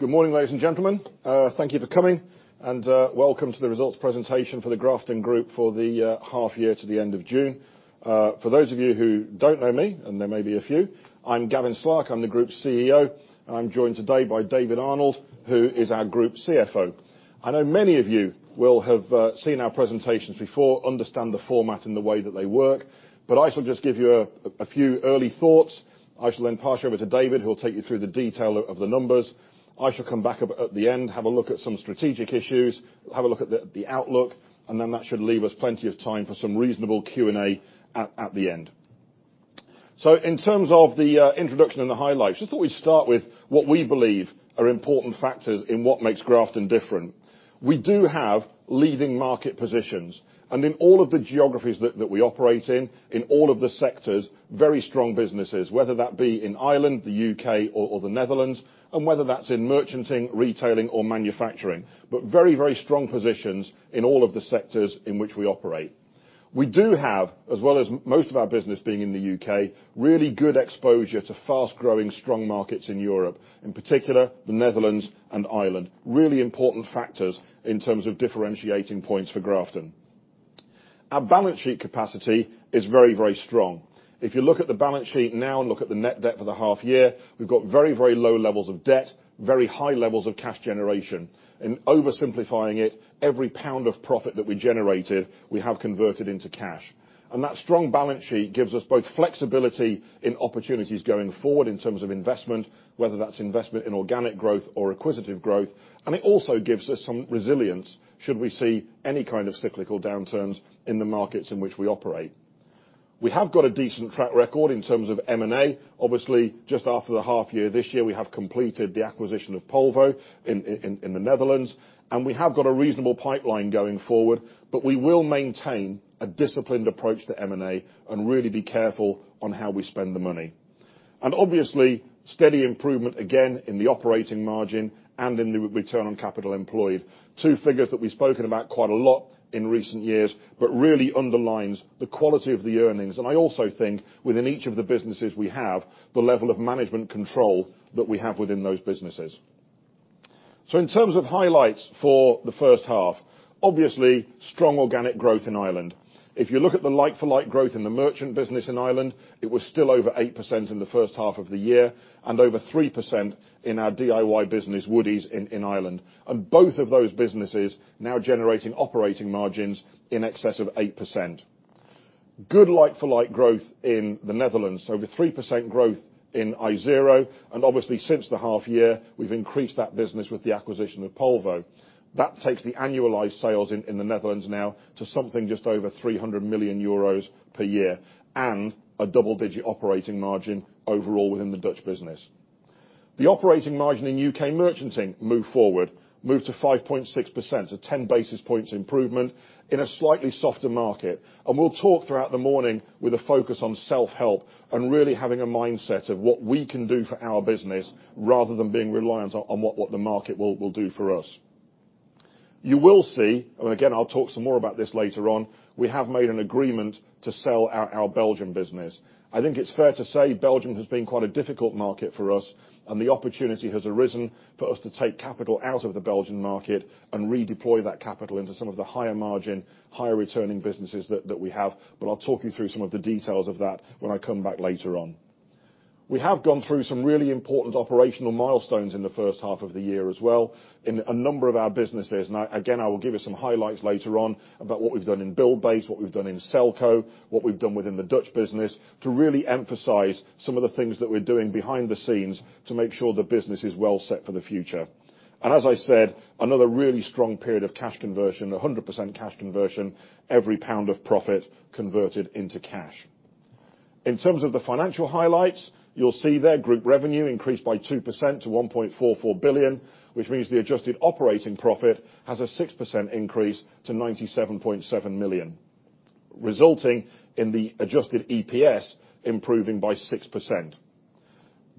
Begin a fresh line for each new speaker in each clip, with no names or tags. Good morning, ladies and gentlemen. Thank you for coming. Welcome to the results presentation for the Grafton Group for the half year to the end of June. For those of you who don't know me, and there may be a few, I'm Gavin Slark, I'm the Group CEO. I'm joined today by David Arnold, who is our Group CFO. I know many of you will have seen our presentations before, understand the format and the way that they work, I shall just give you a few early thoughts. I shall then pass you over to David, who will take you through the detail of the numbers. I shall come back up at the end, have a look at some strategic issues, have a look at the outlook, then that should leave us plenty of time for some reasonable Q&A at the end. In terms of the introduction and the highlights, just thought we'd start with what we believe are important factors in what makes Grafton different. We do have leading market positions, and in all of the geographies that we operate in all of the sectors, very strong businesses. Whether that be in Ireland, the U.K., or the Netherlands, and whether that's in merchanting, retailing, or manufacturing. Very strong positions in all of the sectors in which we operate. We do have, as well as most of our business being in the U.K., really good exposure to fast-growing, strong markets in Europe, in particular the Netherlands and Ireland. Really important factors in terms of differentiating points for Grafton. Our balance sheet capacity is very strong. If you look at the balance sheet now and look at the net debt for the half year, we've got very low levels of debt, very high levels of cash generation. In oversimplifying it, every pound of profit that we generated we have converted into cash. That strong balance sheet gives us both flexibility in opportunities going forward in terms of investment, whether that's investment in organic growth or acquisitive growth, and it also gives us some resilience should we see any kind of cyclical downturns in the markets in which we operate. We have got a decent track record in terms of M&A. Obviously, just after the half year this year, we have completed the acquisition of Polvo in the Netherlands. We have got a reasonable pipeline going forward, but we will maintain a disciplined approach to M&A and really be careful on how we spend the money. Obviously, steady improvement, again, in the operating margin and in the return on capital employed. Two figures that we've spoken about quite a lot in recent years, but really underlines the quality of the earnings. I also think within each of the businesses we have, the level of management control that we have within those businesses. In terms of highlights for the first half, obviously, strong organic growth in Ireland. If you look at the like-for-like growth in the merchant business in Ireland, it was still over 8% in the first half of the year, and over 3% in our DIY business, Woodie's, in Ireland. Both of those businesses now generating operating margins in excess of 8%. Good like-for-like growth in the Netherlands, over 3% growth in Isero, and obviously, since the half year, we've increased that business with the acquisition of Polvo. That takes the annualized sales in the Netherlands now to something just over 300 million euros per year, and a double-digit operating margin overall within the Dutch business. The operating margin in U.K. merchanting moved forward, moved to 5.6%, so 10 basis points improvement in a slightly softer market. We'll talk throughout the morning with a focus on self-help and really having a mindset of what we can do for our business, rather than being reliant on what the market will do for us. You will see, and again, I'll talk some more about this later on, we have made an agreement to sell our Belgian business. I think it's fair to say Belgium has been quite a difficult market for us, and the opportunity has arisen for us to take capital out of the Belgian market and redeploy that capital into some of the higher margin, higher returning businesses that we have. I'll talk you through some of the details of that when I come back later on. We have gone through some really important operational milestones in the first half of the year as well in a number of our businesses. I will give you some highlights later on about what we've done in Buildbase, what we've done in Selco, what we've done within the Dutch business to really emphasize some of the things that we're doing behind the scenes to make sure the business is well set for the future. As I said, another really strong period of cash conversion, 100% cash conversion, every GBP of profit converted into cash. In terms of the financial highlights, you will see there group revenue increased by 2% to 1.44 billion, which means the adjusted operating profit has a 6% increase to 97.7 million, resulting in the adjusted EPS improving by 6%.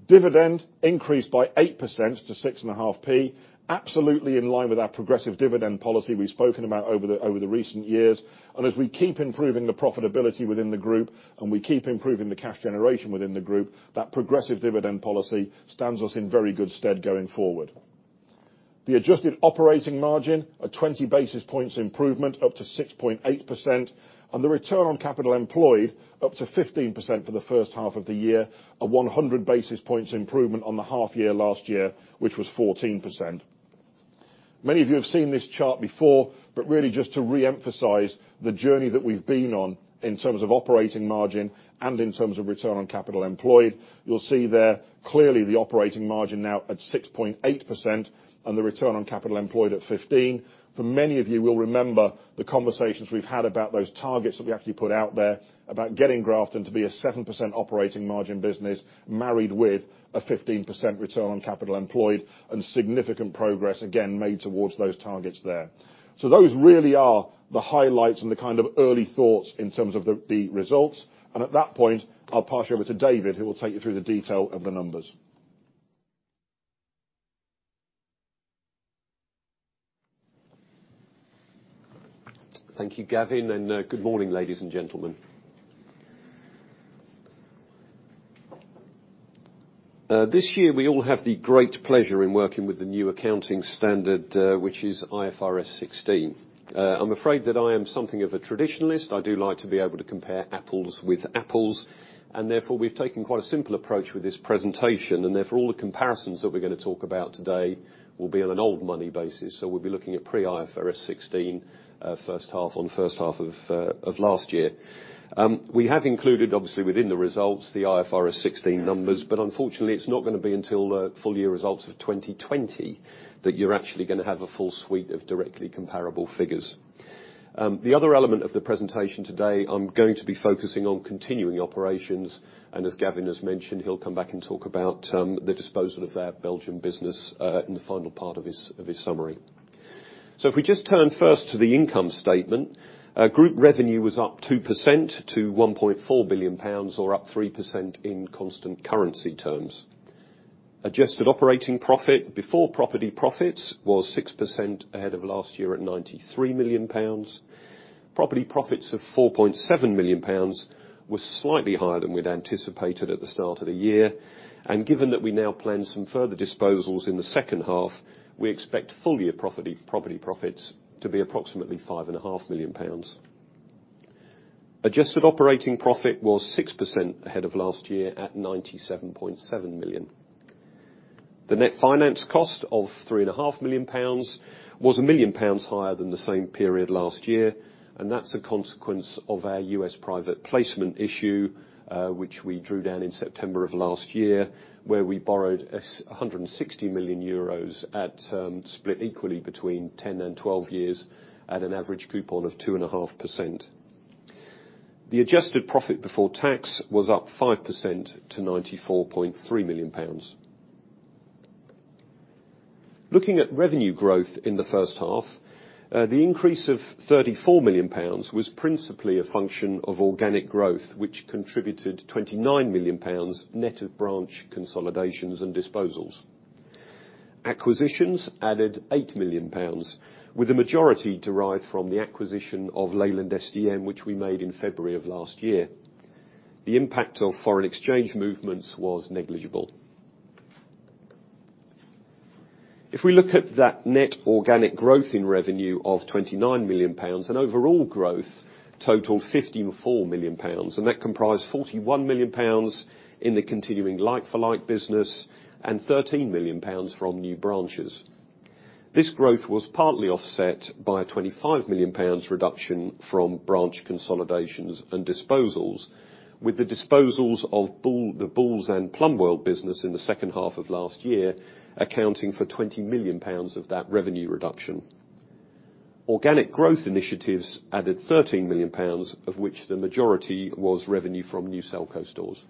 Dividend increased by 8% to 0.065, absolutely in line with our progressive dividend policy we have spoken about over the recent years. As we keep improving the profitability within the group, and we keep improving the cash generation within the group, that progressive dividend policy stands us in very good stead going forward. The adjusted operating margin, a 20 basis points improvement, up to 6.8%, and the return on capital employed up to 15% for the first half of the year, a 100 basis points improvement on the half year last year, which was 14%. Many of you have seen this chart before, but really just to reemphasize the journey that we've been on in terms of operating margin and in terms of return on capital employed. You'll see there clearly the operating margin now at 6.8% and the return on capital employed at 15%. For many of you will remember the conversations we've had about those targets that we actually put out there about getting Grafton to be a 7% operating margin business, married with a 15% return on capital employed, and significant progress again made towards those targets there. Those really are the highlights and the kind of early thoughts in terms of the results. At that point, I'll pass you over to David, who will take you through the detail of the numbers.
Thank you, Gavin, and good morning, ladies and gentlemen. This year, we all have the great pleasure in working with the new accounting standard, which is IFRS 16. I'm afraid that I am something of a traditionalist. I do like to be able to compare apples with apples, and therefore we've taken quite a simple approach with this presentation. Therefore, all the comparisons that we're going to talk about today will be on an old money basis. We'll be looking at pre-IFRS 16 first half on first half of last year. We have included, obviously, within the results, the IFRS 16 numbers. Unfortunately, it's not going to be until the full year results of 2020 that you're actually going to have a full suite of directly comparable figures. The other element of the presentation today, I am going to be focusing on continuing operations, and as Gavin has mentioned, he will come back and talk about the disposal of our Belgian business in the final part of his summary. If we just turn first to the income statement. Group revenue was up 2% to 1.4 billion pounds or up 3% in constant currency terms. Adjusted operating profit before property profits was 6% ahead of last year at 93 million pounds. Property profits of 4.7 million pounds was slightly higher than we had anticipated at the start of the year. Given that we now plan some further disposals in the second half, we expect full year property profits to be approximately 5.5 million pounds. Adjusted operating profit was 6% ahead of last year at 97.7 million. The net finance cost of 3.5 million pounds was 1 million pounds higher than the same period last year. That's a consequence of our US private placement issue, which we drew down in September of last year, where we borrowed 160 million euros split equally between 10 and 12 years at an average coupon of 2.5%. The adjusted profit before tax was up 5% to 94.3 million pounds. Looking at revenue growth in the first half, the increase of 34 million pounds was principally a function of organic growth, which contributed 29 million pounds net of branch consolidations and disposals. Acquisitions added 8 million pounds, with the majority derived from the acquisition of Leyland SDM, which we made in February of last year. The impact of foreign exchange movements was negligible. If we look at that net organic growth in revenue of 29 million pounds and overall growth total 54 million pounds, and that comprised 41 million pounds in the continuing like-for-like business and 13 million pounds from new branches. This growth was partly offset by a 25 million pounds reduction from branch consolidations and disposals, with the disposals of the Boels and Plumbworld business in the second half of last year accounting for 20 million pounds of that revenue reduction. Organic growth initiatives added 13 million pounds, of which the majority was revenue from new Selco stores.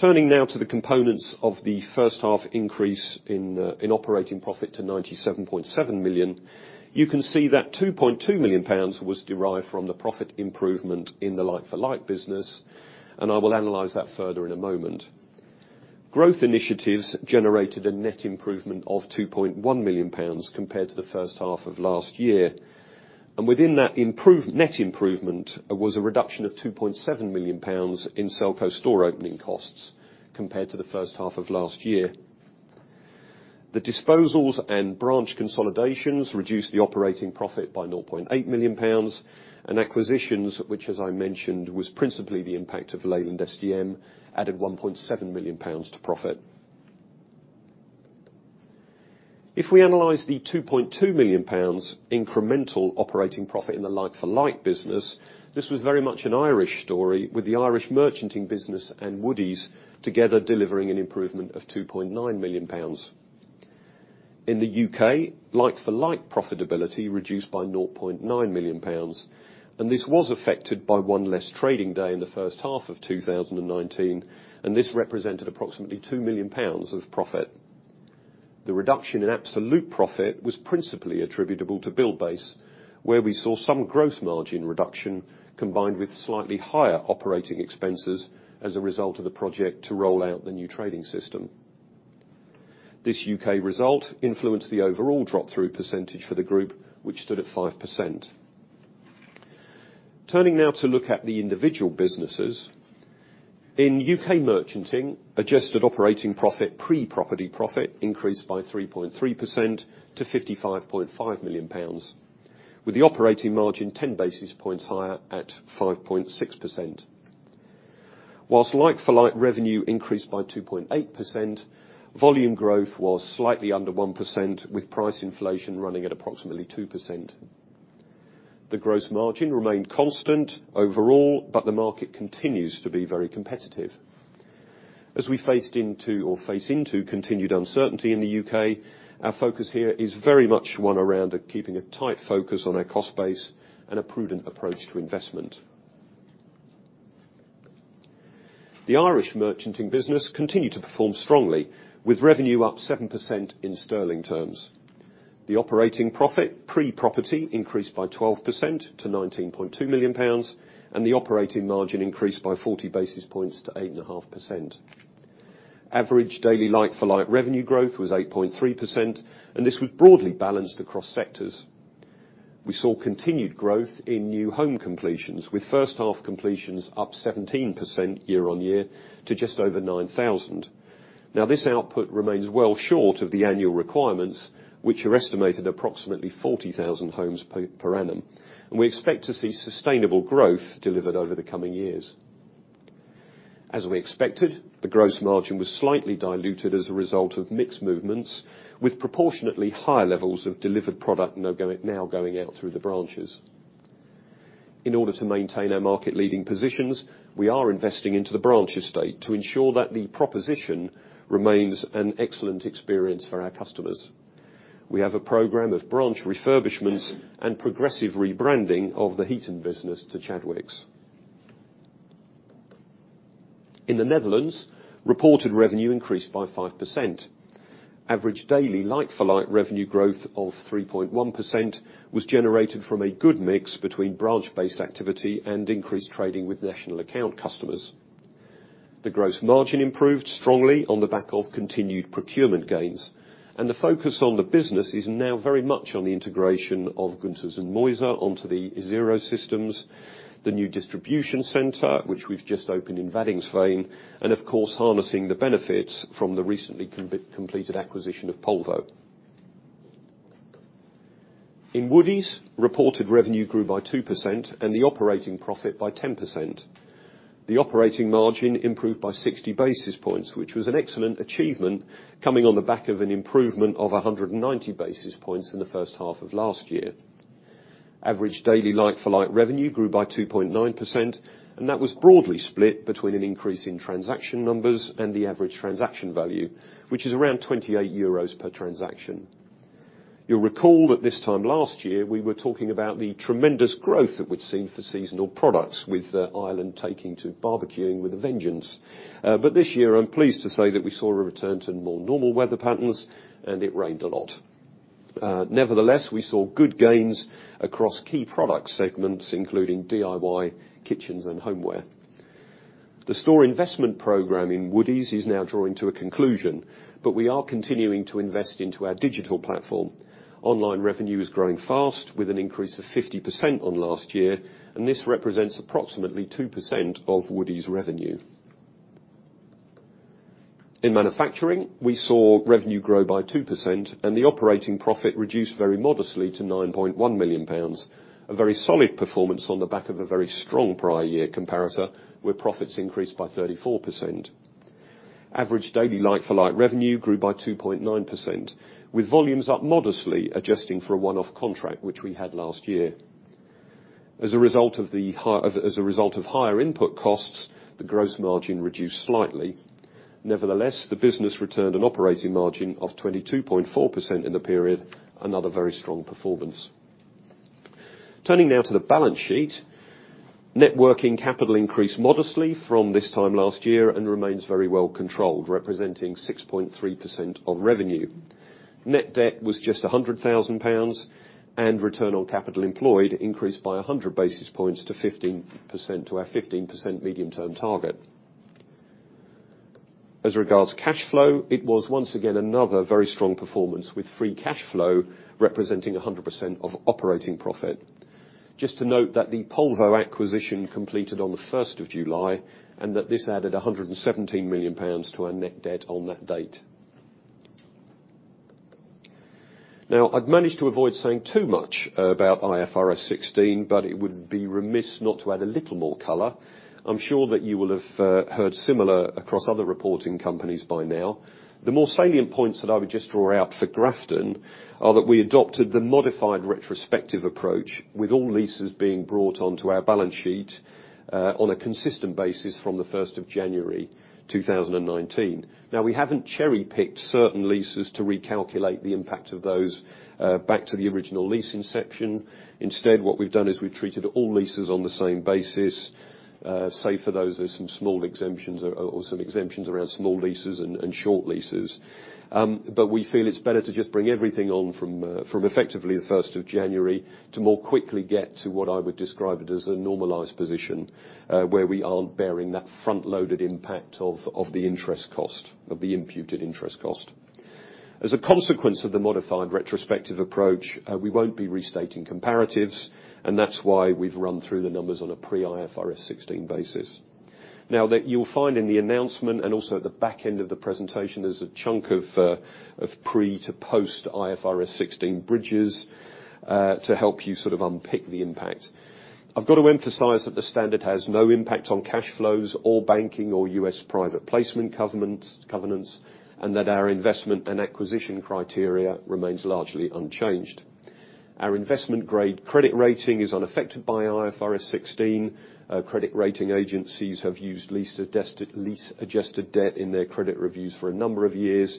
Turning now to the components of the first half increase in operating profit to 97.7 million, you can see that 2.2 million pounds was derived from the profit improvement in the like-for-like business, and I will analyze that further in a moment. Growth initiatives generated a net improvement of 2.1 million pounds compared to the first half of last year. Within that net improvement was a reduction of 2.7 million pounds in Selco store opening costs compared to the first half of last year. The disposals and branch consolidations reduced the operating profit by 0.8 million pounds, and acquisitions, which, as I mentioned, was principally the impact of Leyland SDM, added 1.7 million pounds to profit. If we analyze the 2.2 million pounds incremental operating profit in the like-for-like business, this was very much an Irish story, with the Irish merchanting business and Woodie's together delivering an improvement of 2.9 million pounds. In the U.K., like-for-like profitability reduced by 0.9 million pounds, and this was affected by one less trading day in the first half of 2019, and this represented approximately 2 million pounds of profit. The reduction in absolute profit was principally attributable to Buildbase, where we saw some gross margin reduction combined with slightly higher operating expenses as a result of the project to roll out the new trading system. This U.K. result influenced the overall drop-through percentage for the group, which stood at 5%. Turning now to look at the individual businesses. In U.K. merchanting, adjusted operating profit pre-property profit increased by 3.3% to 55.5 million pounds, with the operating margin 10 basis points higher at 5.6%. Whilst like-for-like revenue increased by 2.8%, volume growth was slightly under 1%, with price inflation running at approximately 2%. The gross margin remained constant overall, but the market continues to be very competitive. As we face into continued uncertainty in the U.K., our focus here is very much one around keeping a tight focus on our cost base and a prudent approach to investment. The Irish merchanting business continued to perform strongly, with revenue up 7% in sterling terms. The operating profit pre-property increased by 12% to 19.2 million pounds, the operating margin increased by 40 basis points to 8.5%. Average daily like-for-like revenue growth was 8.3%, this was broadly balanced across sectors. We saw continued growth in new home completions, with first-half completions up 17% year-on-year to just over 9,000. Now, this output remains well short of the annual requirements, which are estimated approximately 40,000 homes per annum. We expect to see sustainable growth delivered over the coming years. As we expected, the gross margin was slightly diluted as a result of mix movements, with proportionately higher levels of delivered product now going out through the branches. In order to maintain our market-leading positions, we are investing into the branch estate to ensure that the proposition remains an excellent experience for our customers. We have a program of branch refurbishments and progressive rebranding of the Heiton business to Chadwicks. In the Netherlands, reported revenue increased by 5%. Average daily like-for-like revenue growth of 3.1% was generated from a good mix between branch-based activity and increased trading with national account customers. The gross margin improved strongly on the back of continued procurement gains. The focus on the business is now very much on the integration of Gunters en Meuser onto the Isero systems, the new distribution center, which we've just opened in Waddinxveen, and of course, harnessing the benefits from the recently completed acquisition of Polvo. In Woodie's, reported revenue grew by 2% and the operating profit by 10%. The operating margin improved by 60 basis points, which was an excellent achievement coming on the back of an improvement of 190 basis points in the first half of last year. Average daily like-for-like revenue grew by 2.9%. That was broadly split between an increase in transaction numbers and the average transaction value, which is around 28 euros per transaction. You'll recall that this time last year, we were talking about the tremendous growth that we'd seen for seasonal products, with Ireland taking to barbecuing with a vengeance. This year, I'm pleased to say that we saw a return to more normal weather patterns, and it rained a lot. Nevertheless, we saw good gains across key product segments, including DIY, kitchens, and homeware. The store investment program in Woodie's is now drawing to a conclusion, but we are continuing to invest into our digital platform. Online revenue is growing fast with an increase of 50% on last year, and this represents approximately 2% of Woodie's revenue. In manufacturing, we saw revenue grow by 2% and the operating profit reduce very modestly to 9.1 million pounds. A very solid performance on the back of a very strong prior year comparator, where profits increased by 34%. Average daily like-for-like revenue grew by 2.9%, with volumes up modestly, adjusting for a one-off contract which we had last year. As a result of higher input costs, the gross margin reduced slightly. Nevertheless, the business returned an operating margin of 22.4% in the period, another very strong performance. Turning now to the balance sheet. Net working capital increased modestly from this time last year and remains very well controlled, representing 6.3% of revenue. Net debt was just 100,000 pounds, and return on capital employed increased by 100 basis points to our 15% medium-term target. As regards cash flow, it was once again another very strong performance, with free cash flow representing 100% of operating profit. Just to note that the Polvo acquisition completed on the 1st of July, and that this added 117 million pounds to our net debt on that date. I've managed to avoid saying too much about IFRS 16, but it would be remiss not to add a little more color. I'm sure that you will have heard similar across other reporting companies by now. The more salient points that I would just draw out for Grafton are that we adopted the modified retrospective approach with all leases being brought onto our balance sheet on a consistent basis from the 1st of January 2019. We haven't cherry-picked certain leases to recalculate the impact of those back to the original lease inception. Instead, what we've done is we've treated all leases on the same basis, save for those, there's some exemptions around small leases and short leases. We feel it's better to just bring everything on from effectively the 1st of January to more quickly get to what I would describe it as a normalized position where we aren't bearing that front-loaded impact of the imputed interest cost. As a consequence of the modified retrospective approach, we won't be restating comparatives, and that's why we've run through the numbers on a pre IFRS 16 basis. That you'll find in the announcement and also at the back end of the presentation, there's a chunk of pre to post IFRS 16 bridges to help you sort of unpick the impact. I've got to emphasize that the standard has no impact on cash flows or banking or U.S. private placement covenants, and that our investment and acquisition criteria remains largely unchanged. Our investment-grade credit rating is unaffected by IFRS 16. Credit rating agencies have used lease-adjusted debt in their credit reviews for a number of years,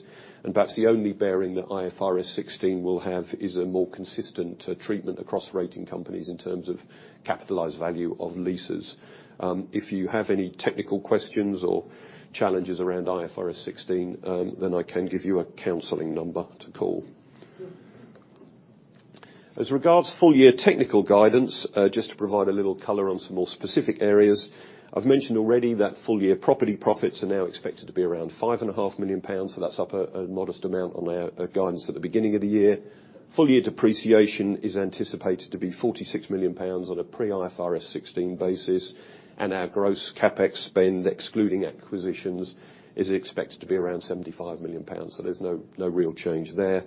perhaps the only bearing that IFRS 16 will have is a more consistent treatment across rating companies in terms of capitalized value of leases. If you have any technical questions or challenges around IFRS 16, I can give you a counseling number to call. As regards full year technical guidance, just to provide a little color on some more specific areas, I've mentioned already that full year property profits are now expected to be around 5.5 million pounds, that's up a modest amount on our guidance at the beginning of the year. Full year depreciation is anticipated to be 46 million pounds on a pre-IFRS 16 basis, our gross CapEx spend, excluding acquisitions, is expected to be around GBP 75 million. There's no real change there.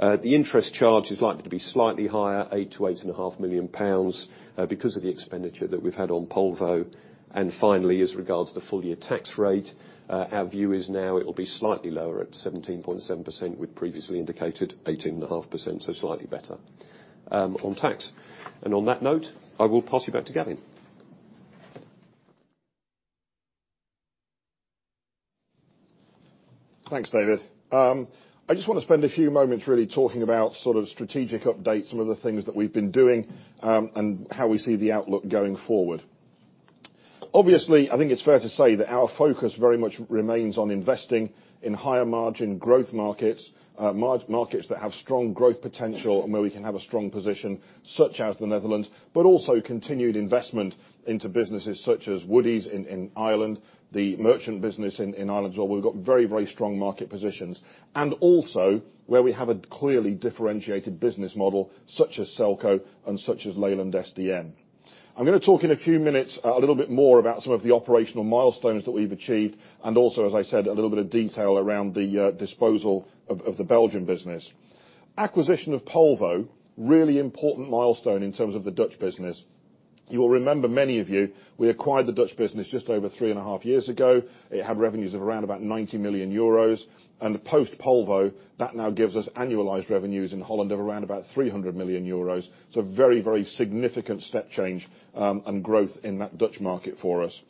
The interest charge is likely to be slightly higher, 8 to 8.5 million pounds, because of the expenditure that we've had on Polvo. Finally, as regards to the full year tax rate, our view is now it will be slightly lower at 17.7%, we'd previously indicated 18.5%, slightly better on tax. On that note, I will pass you back to Gavin.
Thanks, David. I just want to spend a few moments really talking about strategic updates, some of the things that we've been doing, and how we see the outlook going forward. Obviously, I think it's fair to say that our focus very much remains on investing in higher margin growth markets that have strong growth potential and where we can have a strong position, such as the Netherlands, but also continued investment into businesses such as Woodie's in Ireland, the merchant business in Ireland as well. We've got very strong market positions. Also where we have a clearly differentiated business model such as Selco and such as Leyland SDM. I'm going to talk in a few minutes a little bit more about some of the operational milestones that we've achieved, and also, as I said, a little bit of detail around the disposal of the Belgian business. Acquisition of Polvo, really important milestone in terms of the Dutch business. You will remember, many of you, we acquired the Dutch business just over three and a half years ago. It had revenues of around about 90 million euros, and post Polvo, that now gives us annualized revenues in Holland of around about 300 million euros. It's a very significant step change, and growth in that Dutch market for us.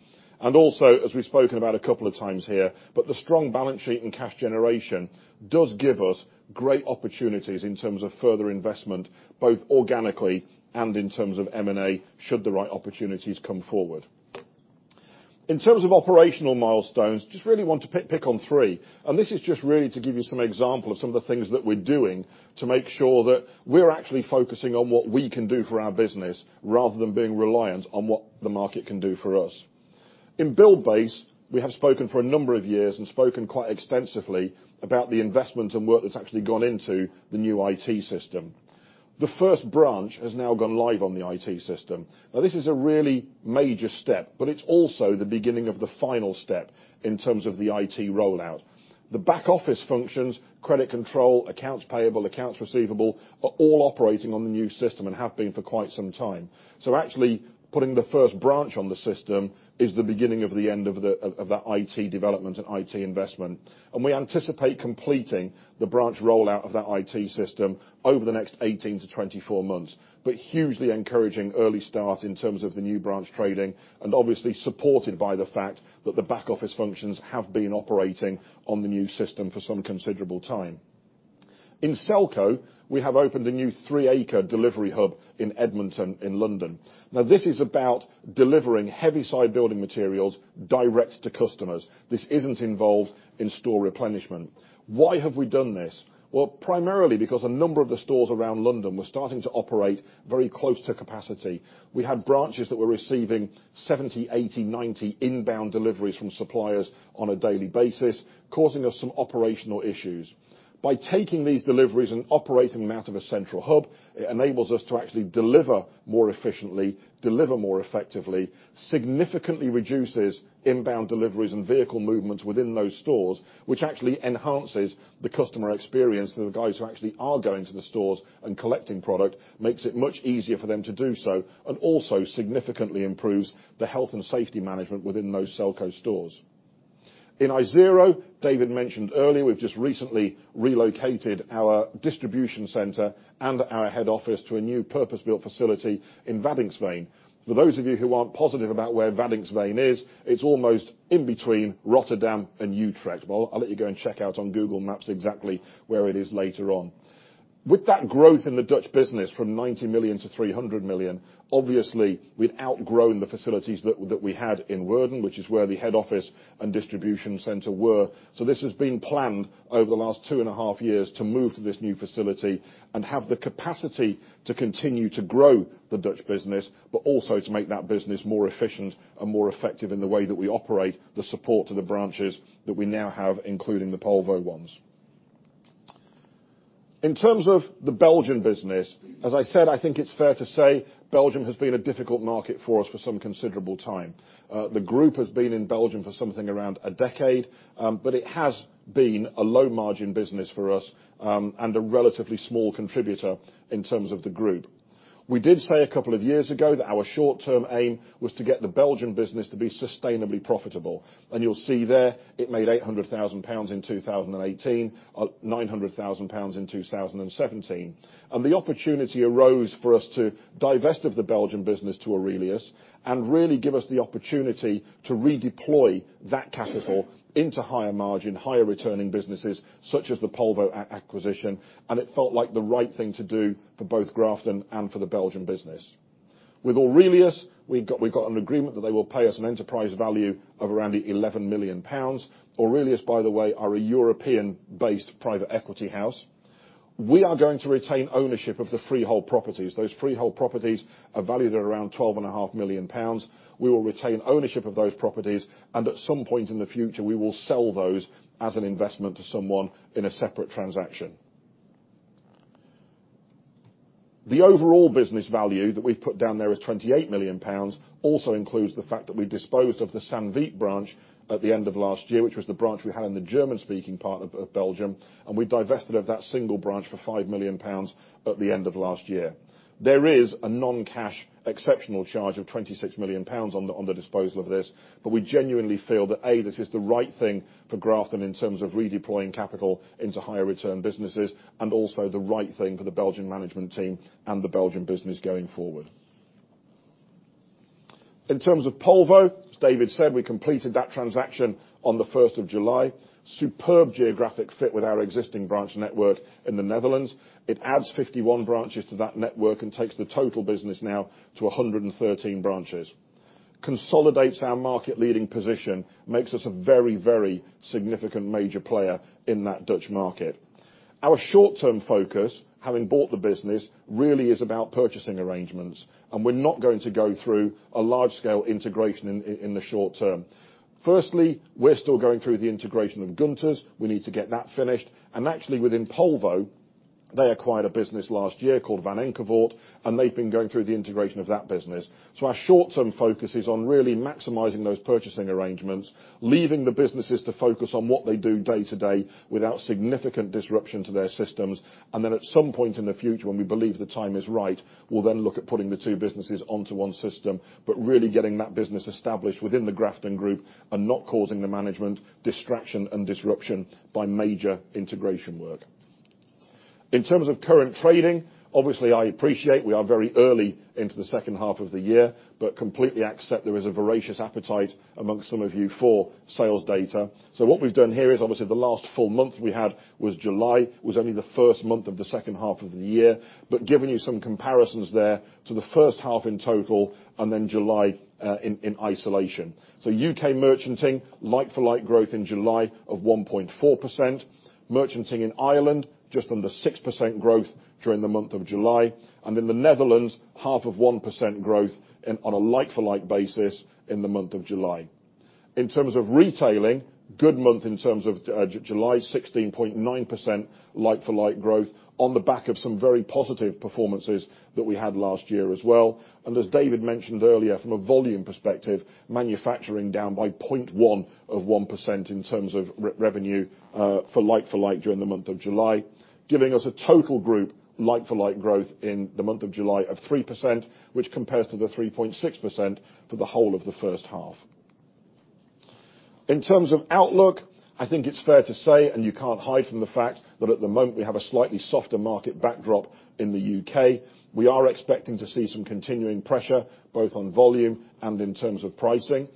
Also, as we've spoken about a couple of times here, the strong balance sheet and cash generation does give us great opportunities in terms of further investment, both organically and in terms of M&A, should the right opportunities come forward. In terms of operational milestones, just really want to pick on three, and this is just really to give you some example of some of the things that we're doing to make sure that we're actually focusing on what we can do for our business rather than being reliant on what the market can do for us. In Buildbase, we have spoken for a number of years, and spoken quite extensively about the investment and work that's actually gone into the new IT system. The first branch has now gone live on the IT system. Now this is a really major step, but it's also the beginning of the final step in terms of the IT rollout. The back office functions, credit control, accounts payable, accounts receivable, are all operating on the new system and have been for quite some time. Actually, putting the first branch on the system is the beginning of the end of that IT development and IT investment. We anticipate completing the branch rollout of that IT system over the next 18-24 months. Hugely encouraging early start in terms of the new branch trading and obviously supported by the fact that the back office functions have been operating on the new system for some considerable time. In Selco, we have opened a new 3 acre delivery hub in Edmonton, in London. This is about delivering heavy side building materials direct to customers. This isn't involved in store replenishment. Why have we done this? Well, primarily because a number of the stores around London were starting to operate very close to capacity. We had branches that were receiving 70, 80, 90 inbound deliveries from suppliers on a daily basis, causing us some operational issues. By taking these deliveries and operating them out of a central hub, it enables us to actually deliver more efficiently, deliver more effectively. Significantly reduces inbound deliveries and vehicle movements within those stores, which actually enhances the customer experience for the guys who actually are going to the stores and collecting product, makes it much easier for them to do so, and also significantly improves the health and safety management within those Selco stores. In Isero, David mentioned earlier, we've just recently relocated our distribution center and our head office to a new purpose-built facility in Waddinxveen. For those of you who aren't positive about where Waddinxveen is, it's almost in between Rotterdam and Utrecht, but I'll let you go and check out on Google Maps exactly where it is later on. With that growth in the Dutch business from 90 million to 300 million, obviously we'd outgrown the facilities that we had in Woerden, which is where the head office and distribution center were. This has been planned over the last two and a half years to move to this new facility and have the capacity to continue to grow the Dutch business, but also to make that business more efficient and more effective in the way that we operate, the support to the branches that we now have, including the Polvo ones. In terms of the Belgian business, as I said, I think it is fair to say Belgium has been a difficult market for us for some considerable time. The group has been in Belgium for something around a decade, it has been a low margin business for us, and a relatively small contributor in terms of the group. We did say a couple of years ago that our short-term aim was to get the Belgian business to be sustainably profitable. You'll see there, it made 800,000 pounds in 2018, 900,000 pounds in 2017. The opportunity arose for us to divest of the Belgian business to Aurelius and really give us the opportunity to redeploy that capital into higher margin, higher returning businesses such as the Polvo acquisition, and it felt like the right thing to do for both Grafton and for the Belgian business. With Aurelius, we've got an agreement that they will pay us an enterprise value of around 11 million pounds. Aurelius, by the way, are a European-based private equity house. We are going to retain ownership of the freehold properties. Those freehold properties are valued at around 12.5 million pounds. We will retain ownership of those properties, and at some point in the future, we will sell those as an investment to someone in a separate transaction. The overall business value that we've put down there as 28 million pounds also includes the fact that we disposed of the Sanvit branch at the end of last year, which was the branch we had in the German-speaking part of Belgium. We divested of that single branch for 5 million pounds at the end of last year. There is a non-cash exceptional charge of 26 million pounds on the disposal of this. We genuinely feel that, A, this is the right thing for Grafton in terms of redeploying capital into higher return businesses, and also the right thing for the Belgian management team and the Belgian business going forward. In terms of Polvo, as David said, we completed that transaction on the 1st of July. Superb geographic fit with our existing branch network in the Netherlands. It adds 51 branches to that network and takes the total business now to 113 branches. Consolidates our market leading position, makes us a very significant major player in that Dutch market. Our short-term focus, having bought the business, really is about purchasing arrangements, and we're not going to go through a large-scale integration in the short term. Firstly, we're still going through the integration of Gunters. We need to get that finished. Actually, within Polvo, they acquired a business last year called Van Enckevort, and they've been going through the integration of that business. Our short-term focus is on really maximizing those purchasing arrangements, leaving the businesses to focus on what they do day to day without significant disruption to their systems. At some point in the future, when we believe the time is right, we'll then look at putting the two businesses onto one system. Really getting that business established within the Grafton Group and not causing the management distraction and disruption by major integration work. In terms of current trading, obviously, I appreciate we are very early into the second half of the year, but completely accept there is a voracious appetite amongst some of you for sales data. What we've done here is obviously the last full month we had was July, was only the first month of the second half of the year. Giving you some comparisons there to the first half in total and then July in isolation. U.K. merchanting, like-for-like growth in July of 1.4%. Merchanting in Ireland, just under 6% growth during the month of July. In the Netherlands, half of 1% growth on a like-for-like basis in the month of July. In terms of retailing, good month in terms of July, 16.9% like-for-like growth on the back of some very positive performances that we had last year as well. As David mentioned earlier, from a volume perspective, manufacturing down by 0.1% in terms of revenue for like-for-like during the month of July, giving us a total group like-for-like growth in the month of July of 3%, which compares to the 3.6% for the whole of the first half. In terms of outlook, I think it's fair to say, and you can't hide from the fact, that at the moment, we have a slightly softer market backdrop in the U.K. We are expecting to see some continuing pressure, both on volume and in terms of pricing.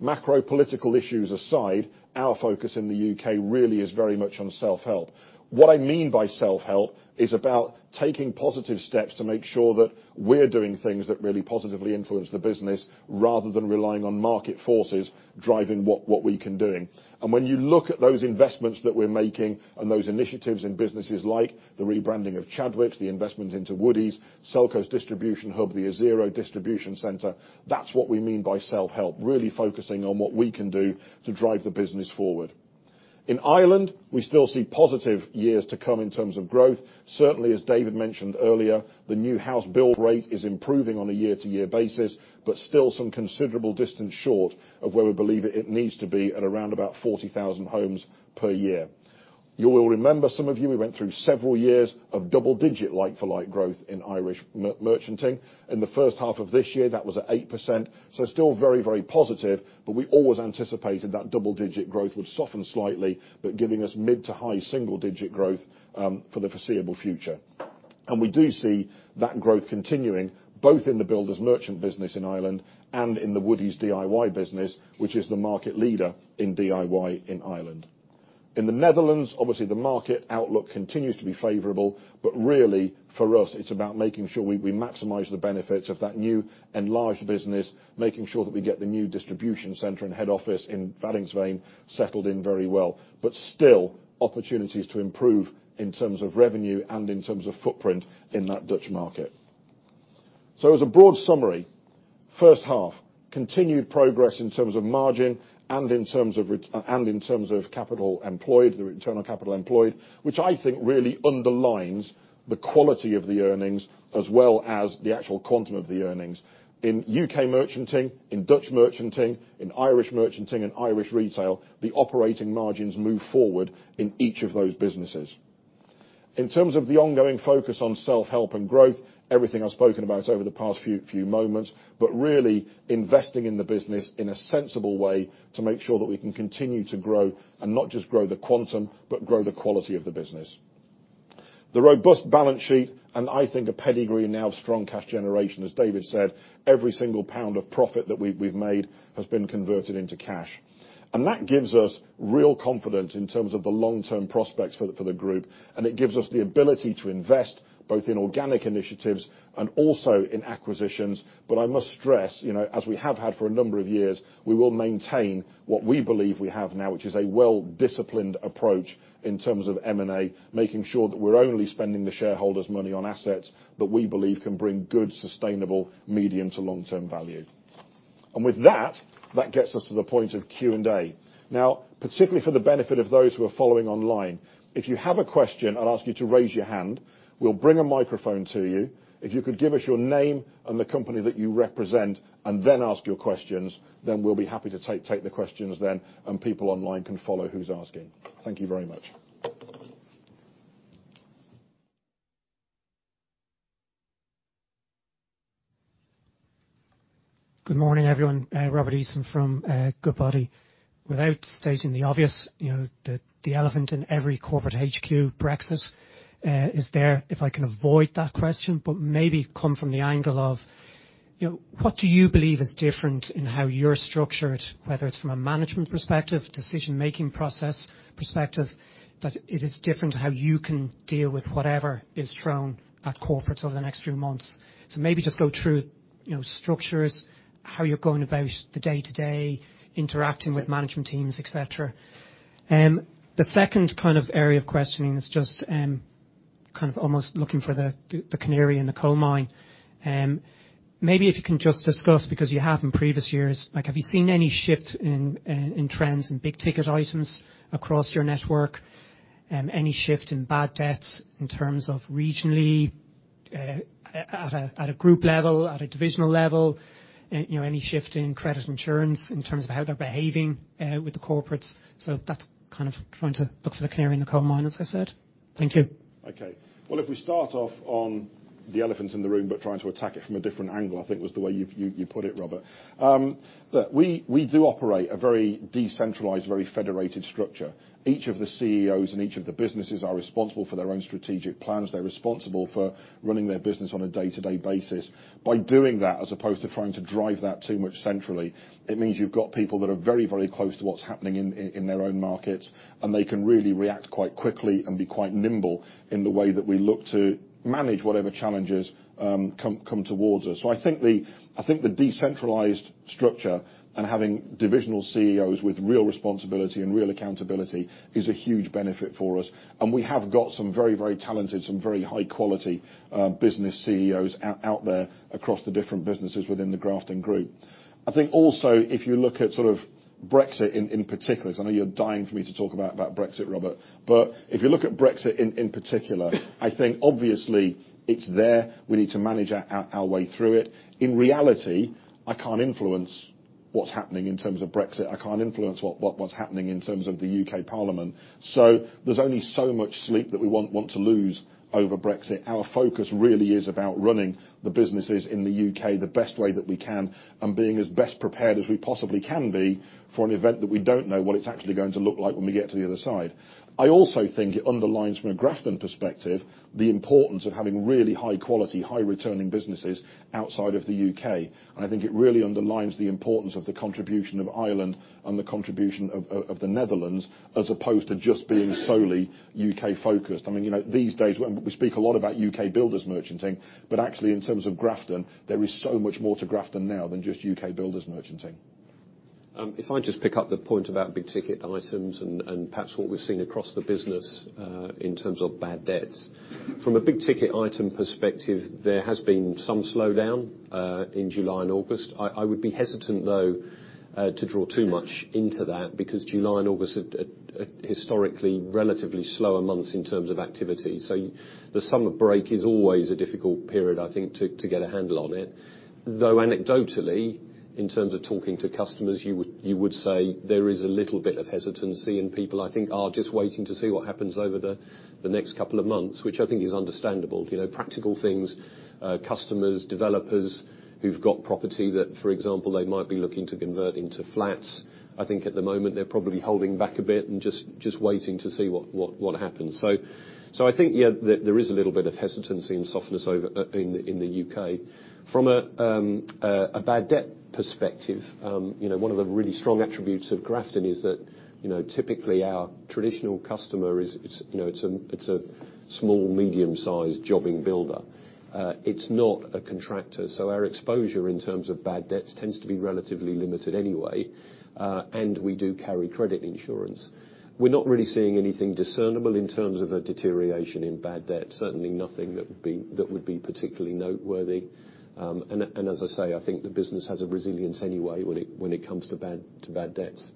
Macro political issues aside, our focus in the U.K. really is very much on self-help. What I mean by self-help is about taking positive steps to make sure that we're doing things that really positively influence the business rather than relying on market forces driving what we can doing. When you look at those investments that we're making and those initiatives in businesses like the rebranding of Chadwicks, the investment into Woodie's, Selco's distribution hub, the Azero distribution center, that's what we mean by self-help, really focusing on what we can do to drive the business forward. In Ireland, we still see positive years to come in terms of growth. Certainly, as David mentioned earlier, the new house build rate is improving on a year-to-year basis, but still some considerable distance short of where we believe it needs to be at around about 40,000 homes per year. You will remember, some of you, we went through several years of double-digit like-for-like growth in Irish merchanting. In the first half of this year, that was at 8%. Still very positive, but we always anticipated that double-digit growth would soften slightly, but giving us mid to high single digit growth for the foreseeable future. We do see that growth continuing both in the builders merchant business in Ireland and in the Woodie's DIY business, which is the market leader in DIY in Ireland. In the Netherlands, obviously, the market outlook continues to be favorable, but really for us, it's about making sure we maximize the benefits of that new enlarged business, making sure that we get the new distribution center and head office in Waddinxveen settled in very well. Still opportunities to improve in terms of revenue and in terms of footprint in that Dutch market. As a broad summary, first half, continued progress in terms of margin and in terms of return on capital employed, which I think really underlines the quality of the earnings as well as the actual quantum of the earnings. In UK Merchanting, in Dutch Merchanting, in Irish Merchanting and Irish Retail, the operating margins move forward in each of those businesses. In terms of the ongoing focus on self-help and growth, everything I've spoken about over the past few moments, but really investing in the business in a sensible way to make sure that we can continue to grow and not just grow the quantum, but grow the quality of the business. The robust balance sheet, and I think a pedigree now of strong cash generation, as David said, every single pound of profit that we've made has been converted into cash. That gives us real confidence in terms of the long-term prospects for the Group, and it gives us the ability to invest both in organic initiatives and also in acquisitions. I must stress, as we have had for a number of years, we will maintain what we believe we have now, which is a well-disciplined approach in terms of M&A, making sure that we're only spending the shareholders' money on assets that we believe can bring good, sustainable medium-to-long-term value. With that gets us to the point of Q&A. Now, particularly for the benefit of those who are following online, if you have a question, I'll ask you to raise your hand. We'll bring a microphone to you. If you could give us your name and the company that you represent and then ask your questions, then we'll be happy to take the questions then, and people online can follow who's asking. Thank you very much.
Good morning, everyone. Robert Eason from Goodbody. Without stating the obvious, the elephant in every corporate HQ, Brexit, is there. Maybe come from the angle of what do you believe is different in how you're structured, whether it's from a management perspective, decision-making process perspective, that it is different how you can deal with whatever is thrown at corporates over the next few months? Maybe just go through structures, how you're going about the day-to-day, interacting with management teams, et cetera. The second area of questioning is just almost looking for the canary in the coal mine. Maybe if you can just discuss, because you have in previous years, have you seen any shift in trends in big-ticket items across your network? Any shift in bad debts in terms of regionally, at a group level, at a divisional level? Any shift in credit insurance in terms of how they're behaving with the corporates? That's trying to look for the canary in the coal mine, as I said. Thank you.
Okay. Well, if we start off on the elephant in the room, trying to attack it from a different angle, I think was the way you put it, Robert. We do operate a very decentralized, very federated structure. Each of the CEOs in each of the businesses are responsible for their own strategic plans. They're responsible for running their business on a day-to-day basis. By doing that, as opposed to trying to drive that too much centrally, it means you've got people that are very close to what's happening in their own markets, and they can really react quite quickly and be quite nimble in the way that we look to manage whatever challenges come towards us. I think the decentralized structure and having divisional CEOs with real responsibility and real accountability is a huge benefit for us. We have got some very talented, some very high-quality business CEOs out there across the different businesses within the Grafton Group. I think also, if you look at Brexit in particular, because I know you're dying for me to talk about Brexit, Robert. If you look at Brexit in particular, I think obviously it's there. We need to manage our way through it. In reality, I can't influence what's happening in terms of Brexit. I can't influence what's happening in terms of the U.K. Parliament. There's only so much sleep that we want to lose over Brexit. Our focus really is about running the businesses in the U.K. the best way that we can and being as best prepared as we possibly can be for an event that we don't know what it's actually going to look like when we get to the other side. I also think it underlines from a Grafton perspective, the importance of having really high quality, high returning businesses outside of the U.K. I think it really underlines the importance of the contribution of Ireland and the contribution of the Netherlands, as opposed to just being solely U.K.-focused. These days, we speak a lot about U.K. builders merchanting, but actually, in terms of Grafton, there is so much more to Grafton now than just U.K. builders merchanting.
If I just pick up the point about big-ticket items and perhaps what we're seeing across the business in terms of bad debts. From a big-ticket item perspective, there has been some slowdown in July and August. I would be hesitant, though, to draw too much into that because July and August are historically relatively slower months in terms of activity. The summer break is always a difficult period, I think, to get a handle on it. Anecdotally, in terms of talking to customers, you would say there is a little bit of hesitancy, and people, I think, are just waiting to see what happens over the next couple of months, which I think is understandable. Practical things, customers, developers who've got property that, for example, they might be looking to convert into flats. I think at the moment, they're probably holding back a bit and just waiting to see what happens. I think, yeah, there is a little bit of hesitancy and softness in the U.K. From a bad debt perspective, one of the really strong attributes of Grafton is that typically our traditional customer is a small, medium-sized jobbing builder. It's not a contractor. Our exposure in terms of bad debts tends to be relatively limited anyway, and we do carry credit insurance. We're not really seeing anything discernible in terms of a deterioration in bad debt, certainly nothing that would be particularly noteworthy. As I say, I think the business has a resilience anyway when it comes to bad debts.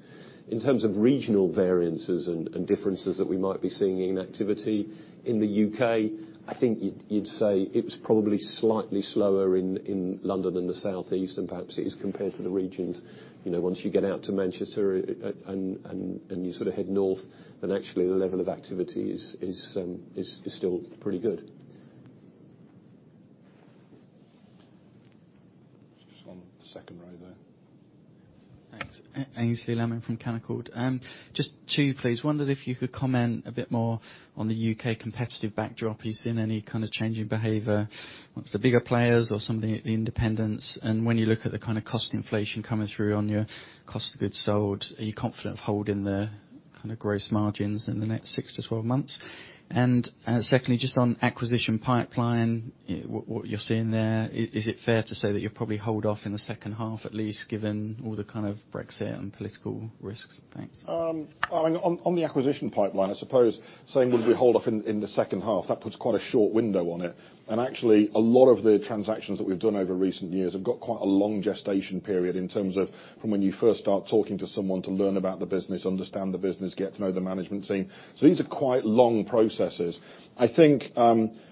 In terms of regional variances and differences that we might be seeing in activity in the U.K., I think you'd say it was probably slightly slower in London than the Southeast, and perhaps it is compared to the regions. Once you get out to Manchester and you head north, then actually the level of activity is still pretty good.
Second row there.
Thanks. Aynsley Lammin from Canaccord. Just two, please. I wondered if you could comment a bit more on the U.K. competitive backdrop. Are you seeing any kind of change in behavior amongst the bigger players or some of the independents? When you look at the cost inflation coming through on your cost of goods sold, are you confident of holding the gross margins in the next six to 12 months? Secondly, just on acquisition pipeline, what you're seeing there, is it fair to say that you'll probably hold off in the second half at least, given all the kind of Brexit and political risks? Thanks.
On the acquisition pipeline, I suppose saying would we hold off in the second half, that puts quite a short window on it. Actually, a lot of the transactions that we've done over recent years have got quite a long gestation period in terms of from when you first start talking to someone to learn about the business, understand the business, get to know the management team. These are quite long processes. I think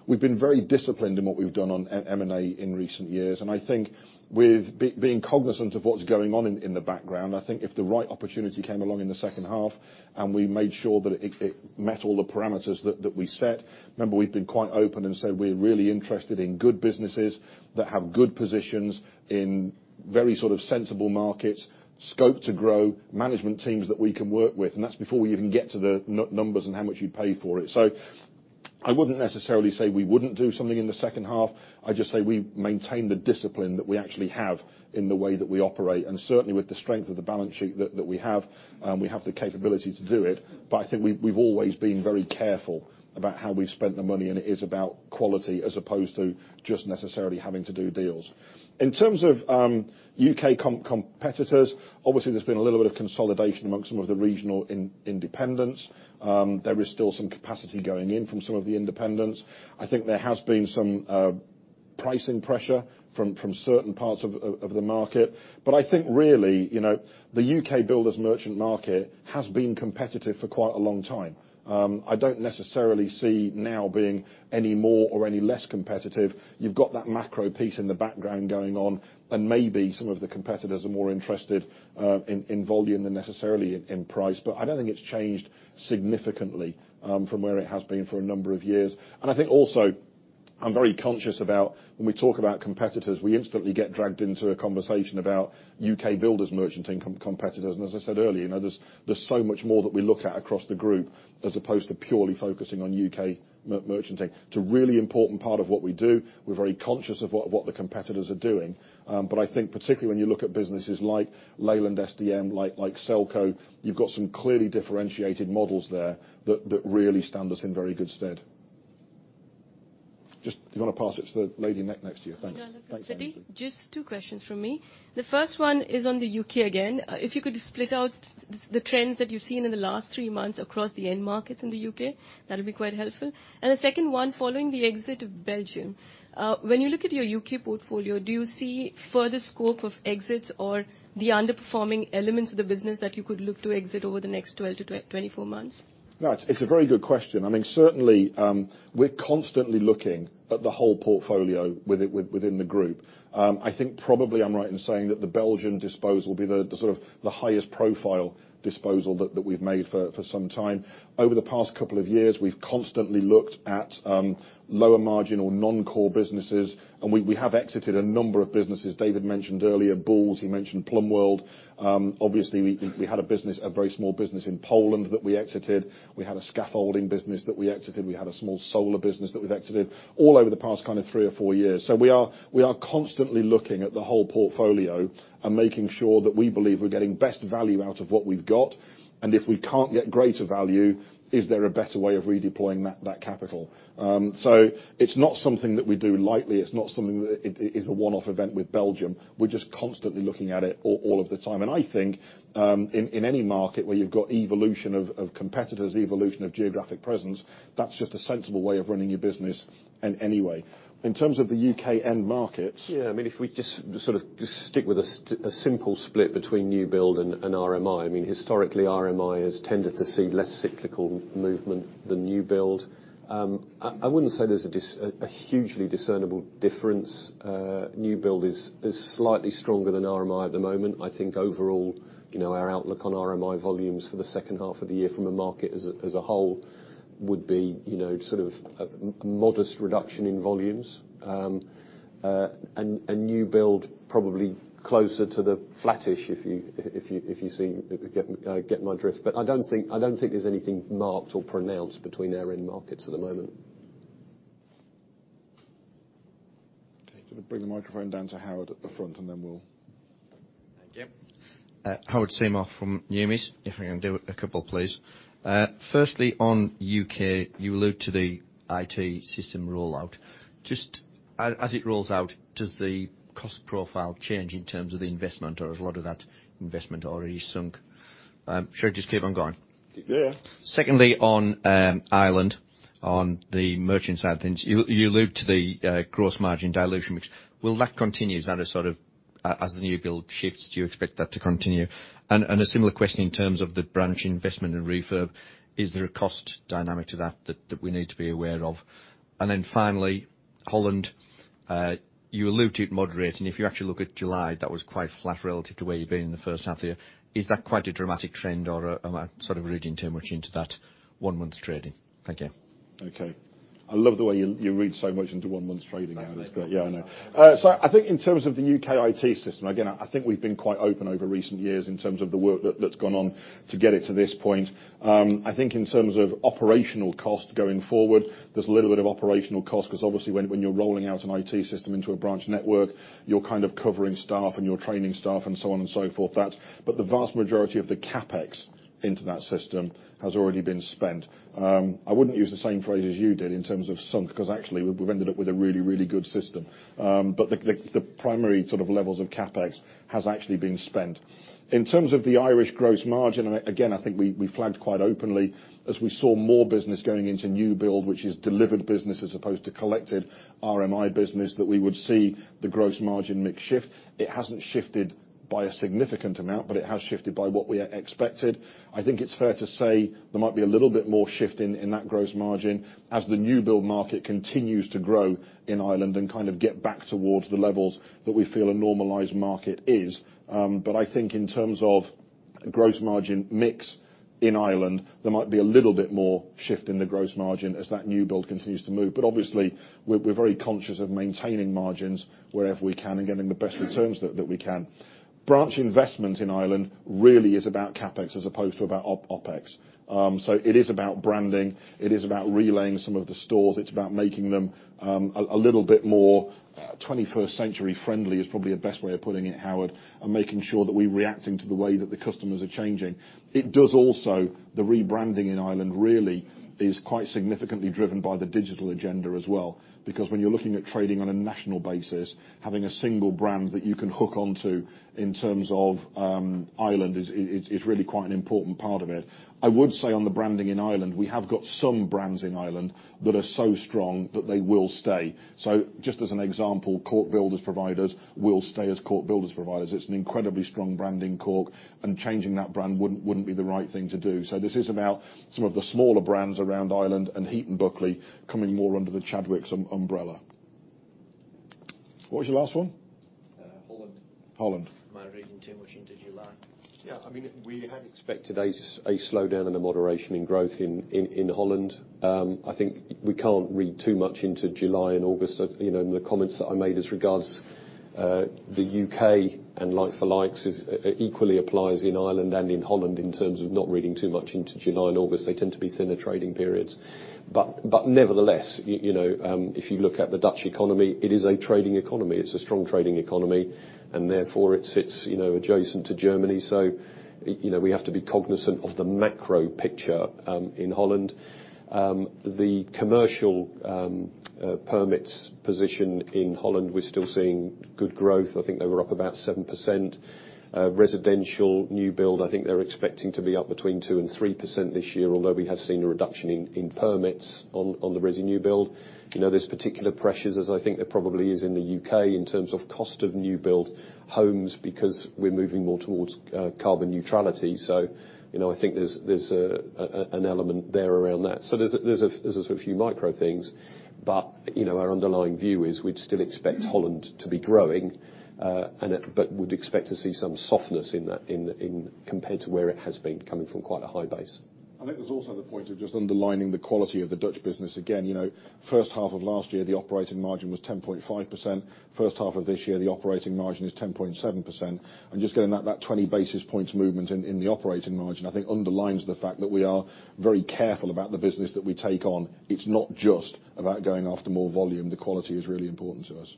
we've been very disciplined in what we've done on M&A in recent years, and I think with being cognizant of what's going on in the background, I think if the right opportunity came along in the second half and we made sure that it met all the parameters that we set. Remember, we've been quite open and said we're really interested in good businesses that have good positions in very sort of sensible markets, scope to grow, management teams that we can work with. That's before we even get to the numbers and how much you'd pay for it. I wouldn't necessarily say we wouldn't do something in the second half. I'd just say we maintain the discipline that we actually have in the way that we operate. Certainly, with the strength of the balance sheet that we have, we have the capability to do it. I think we've always been very careful about how we've spent the money, and it is about quality as opposed to just necessarily having to do deals. In terms of U.K. competitors, obviously, there's been a little bit of consolidation amongst some of the regional independents. There is still some capacity going in from some of the independents. I think there has been some pricing pressure from certain parts of the market. I think really, the U.K. builders merchant market has been competitive for quite a long time. I don't necessarily see now being any more or any less competitive. You've got that macro piece in the background going on, and maybe some of the competitors are more interested in volume than necessarily in price. I don't think it's changed significantly from where it has been for a number of years. I think also, I'm very conscious about when we talk about competitors, we instantly get dragged into a conversation about U.K. builders merchant competitors. As I said earlier, there's so much more that we look at across the group as opposed to purely focusing on U.K. merchanting. It's a really important part of what we do. We're very conscious of what the competitors are doing. I think particularly when you look at businesses like Leyland SDM, like Selco, you've got some clearly differentiated models there that really stand us in very good stead. Just do you want to pass it to the lady next to you? Thanks.
Just two questions from me. The first one is on the U.K. again. If you could split out the trends that you've seen in the last three months across the end markets in the U.K., that'll be quite helpful. The second one, following the exit of Belgium, when you look at your U.K. portfolio, do you see further scope of exits or the underperforming elements of the business that you could look to exit over the next 12-24 months?
No, it's a very good question. I mean, certainly, we're constantly looking at the whole portfolio within the group. I think probably I'm right in saying that the Belgian disposal will be the sort of the highest profile disposal that we've made for some time. Over the past couple of years, we've constantly looked at lower margin or non-core businesses, and we have exited a number of businesses. David mentioned earlier Boels, he mentioned Plumbworld. Obviously, we had a very small business in Poland that we exited. We had a scaffolding business that we exited. We had a small solar business that we've exited all over the past kind of three or four years. We are constantly looking at the whole portfolio and making sure that we believe we're getting best value out of what we've got. If we can't get greater value, is there a better way of redeploying that capital? It's not something that we do lightly. It's not something that is a one-off event with Belgium. We're just constantly looking at it all of the time. I think in any market where you've got evolution of competitors, evolution of geographic presence, that's just a sensible way of running your business in any way. In terms of the U.K. end markets.
Yeah, if we just sort of stick with a simple split between new build and RMI. Historically, RMI has tended to see less cyclical movement than new build. I wouldn't say there's a hugely discernible difference. New build is slightly stronger than RMI at the moment. I think overall, our outlook on RMI volumes for the second half of the year from the market as a whole would be sort of a modest reduction in volumes. New build probably closer to the flattish, if you get my drift. I don't think there's anything marked or pronounced between our end markets at the moment.
Okay. Going to bring the microphone down to Howard at the front and then we'll.
Thank you. Howard Seymour from Numis. If I can do a couple, please. Firstly, on U.K., you allude to the IT system rollout. Just as it rolls out, does the cost profile change in terms of the investment or is a lot of that investment already sunk? Sure, just keep on going.
Yeah.
Secondly, on Ireland, on the merchant side of things, you allude to the gross margin dilution mix. Will that continue? Is that a sort of as the new build shifts, do you expect that to continue? A similar question in terms of the branch investment and refurb, is there a cost dynamic to that that we need to be aware of? Then finally, Holland, you allude to it moderating. If you actually look at July, that was quite flat relative to where you've been in the first half of the year. Is that quite a dramatic trend or am I sort of reading too much into that one month's trading? Thank you.
Okay. I love the way you read so much into one month's trading, Howard. That's me. Yeah, I know. I think in terms of the U.K. IT system, again, I think we've been quite open over recent years in terms of the work that's gone on to get it to this point. I think in terms of operational cost going forward, there's a little bit of operational cost because obviously when you're rolling out an IT system into a branch network, you're covering staff and you're training staff and so on and so forth. The vast majority of the CapEx into that system has already been spent. I wouldn't use the same phrase as you did in terms of sunk, because actually, we've ended up with a really good system. The primary levels of CapEx has actually been spent. In terms of the Irish gross margin, again, I think we flagged quite openly as we saw more business going into new build, which is delivered business as opposed to collected RMI business, that we would see the gross margin mix shift. It hasn't shifted by a significant amount, but it has shifted by what we expected. I think it's fair to say there might be a little bit more shift in that gross margin as the new build market continues to grow in Ireland and get back towards the levels that we feel a normalized market is. I think in terms of gross margin mix in Ireland, there might be a little bit more shift in the gross margin as that new build continues to move. Obviously, we're very conscious of maintaining margins wherever we can and getting the best returns that we can. Branch investment in Ireland really is about CapEx as opposed to about OpEx. It is about branding. It is about relaying some of the stores. It is about making them a little bit more 21st century friendly is probably the best way of putting it, Howard, and making sure that we are reacting to the way that the customers are changing. It does also, the rebranding in Ireland really is quite significantly driven by the digital agenda as well, when you are looking at trading on a national basis, having a single brand that you can hook onto in terms of Ireland is really quite an important part of it. I would say on the branding in Ireland, we have got some brands in Ireland that are so strong that they will stay. Just as an example, Cork Builders Providers will stay as Cork Builders Providers. It's an incredibly strong brand in Cork, changing that brand wouldn't be the right thing to do. This is about some of the smaller brands around Ireland and Heiton Buckley coming more under the Chadwicks umbrella. What was your last one? Holland. Holland. Am I reading too much into July?
Yeah, we had expected a slowdown and a moderation in growth in the Netherlands. I think we can't read too much into July and August. The comments that I made as regards the U.K. and like the likes equally applies in Ireland and in the Netherlands in terms of not reading too much into July and August. They tend to be thinner trading periods. Nevertheless, if you look at the Dutch economy, it is a trading economy. It's a strong trading economy, and therefore it sits adjacent to Germany. We have to be cognizant of the macro picture in the Netherlands. The commercial permits position in the Netherlands, we're still seeing good growth. I think they were up about 7%. Residential new build, I think they're expecting to be up between 2% and 3% this year, although we have seen a reduction in permits on the resi new build. There's particular pressures, as I think there probably is in the U.K., in terms of cost of new build homes because we're moving more towards carbon neutrality. I think there's an element there around that. There's a few micro things, but our underlying view is we'd still expect Holland to be growing, but would expect to see some softness compared to where it has been coming from quite a high base.
I think there's also the point of just underlining the quality of the Dutch business again. First half of last year, the operating margin was 10.5%. First half of this year, the operating margin is 10.7%. Just getting that 20 basis points movement in the operating margin, I think underlines the fact that we are very careful about the business that we take on. It's not just about going after more volume. The quality is really important to us.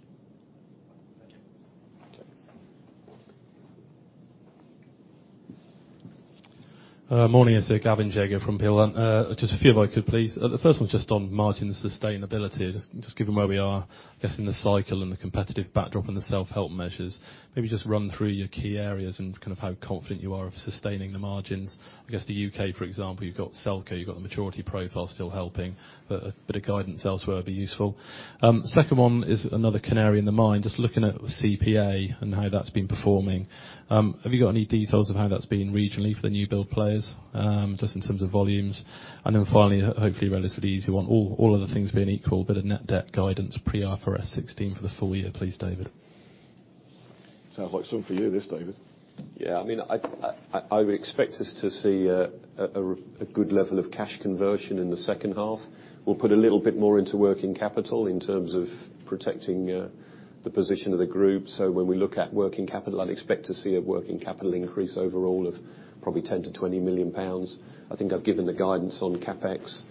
Thank you.
Okay.
Morning. It's Gavin Jago from Peel Hunt. Just a few if I could, please. The first one's just on margin sustainability. Just given where we are, I guess in the cycle and the competitive backdrop and the self-help measures, maybe just run through your key areas and how confident you are of sustaining the margins. I guess the U.K., for example, you've got Selco, you've got the maturity profile still helping, but a bit of guidance elsewhere would be useful. Second one is another canary in the mine, just looking at CPI Mortars and how that's been performing. Have you got any details of how that's been regionally for the new build players, just in terms of volumes? Then finally, hopefully a relatively easy one. All other things being equal, but a net debt guidance pre IFRS 16 for the full year, please, David.
Sounds like some for you, this, David.
Yeah. I would expect us to see a good level of cash conversion in the second half. We'll put a little bit more into working capital in terms of protecting the position of the group. When we look at working capital, I'd expect to see a working capital increase overall of probably 10 million-20 million pounds. I think I've given the guidance on CapEx.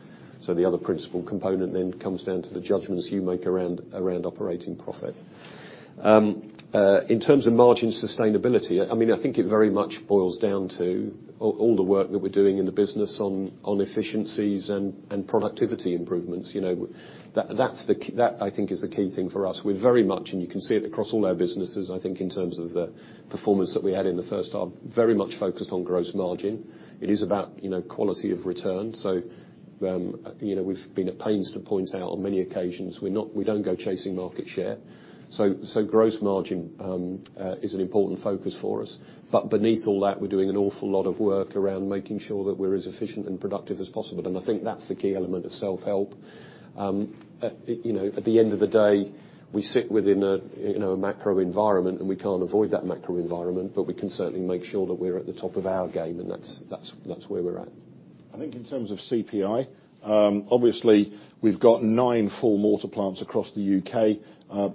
The other principal component then comes down to the judgments you make around operating profit. In terms of margin sustainability, I think it very much boils down to all the work that we're doing in the business on efficiencies and productivity improvements. That, I think, is the key thing for us. We're very much, and you can see it across all our businesses, I think in terms of the performance that we had in the first half, very much focused on gross margin. It is about quality of return. We've been at pains to point out on many occasions we don't go chasing market share. Gross margin is an important focus for us. Beneath all that, we're doing an awful lot of work around making sure that we're as efficient and productive as possible. I think that's the key element of self-help. At the end of the day, we sit within a macro environment, and we can't avoid that macro environment, but we can certainly make sure that we're at the top of our game, and that's where we're at.
I think in terms of CPI, obviously we've got nine full mortar plants across the U.K.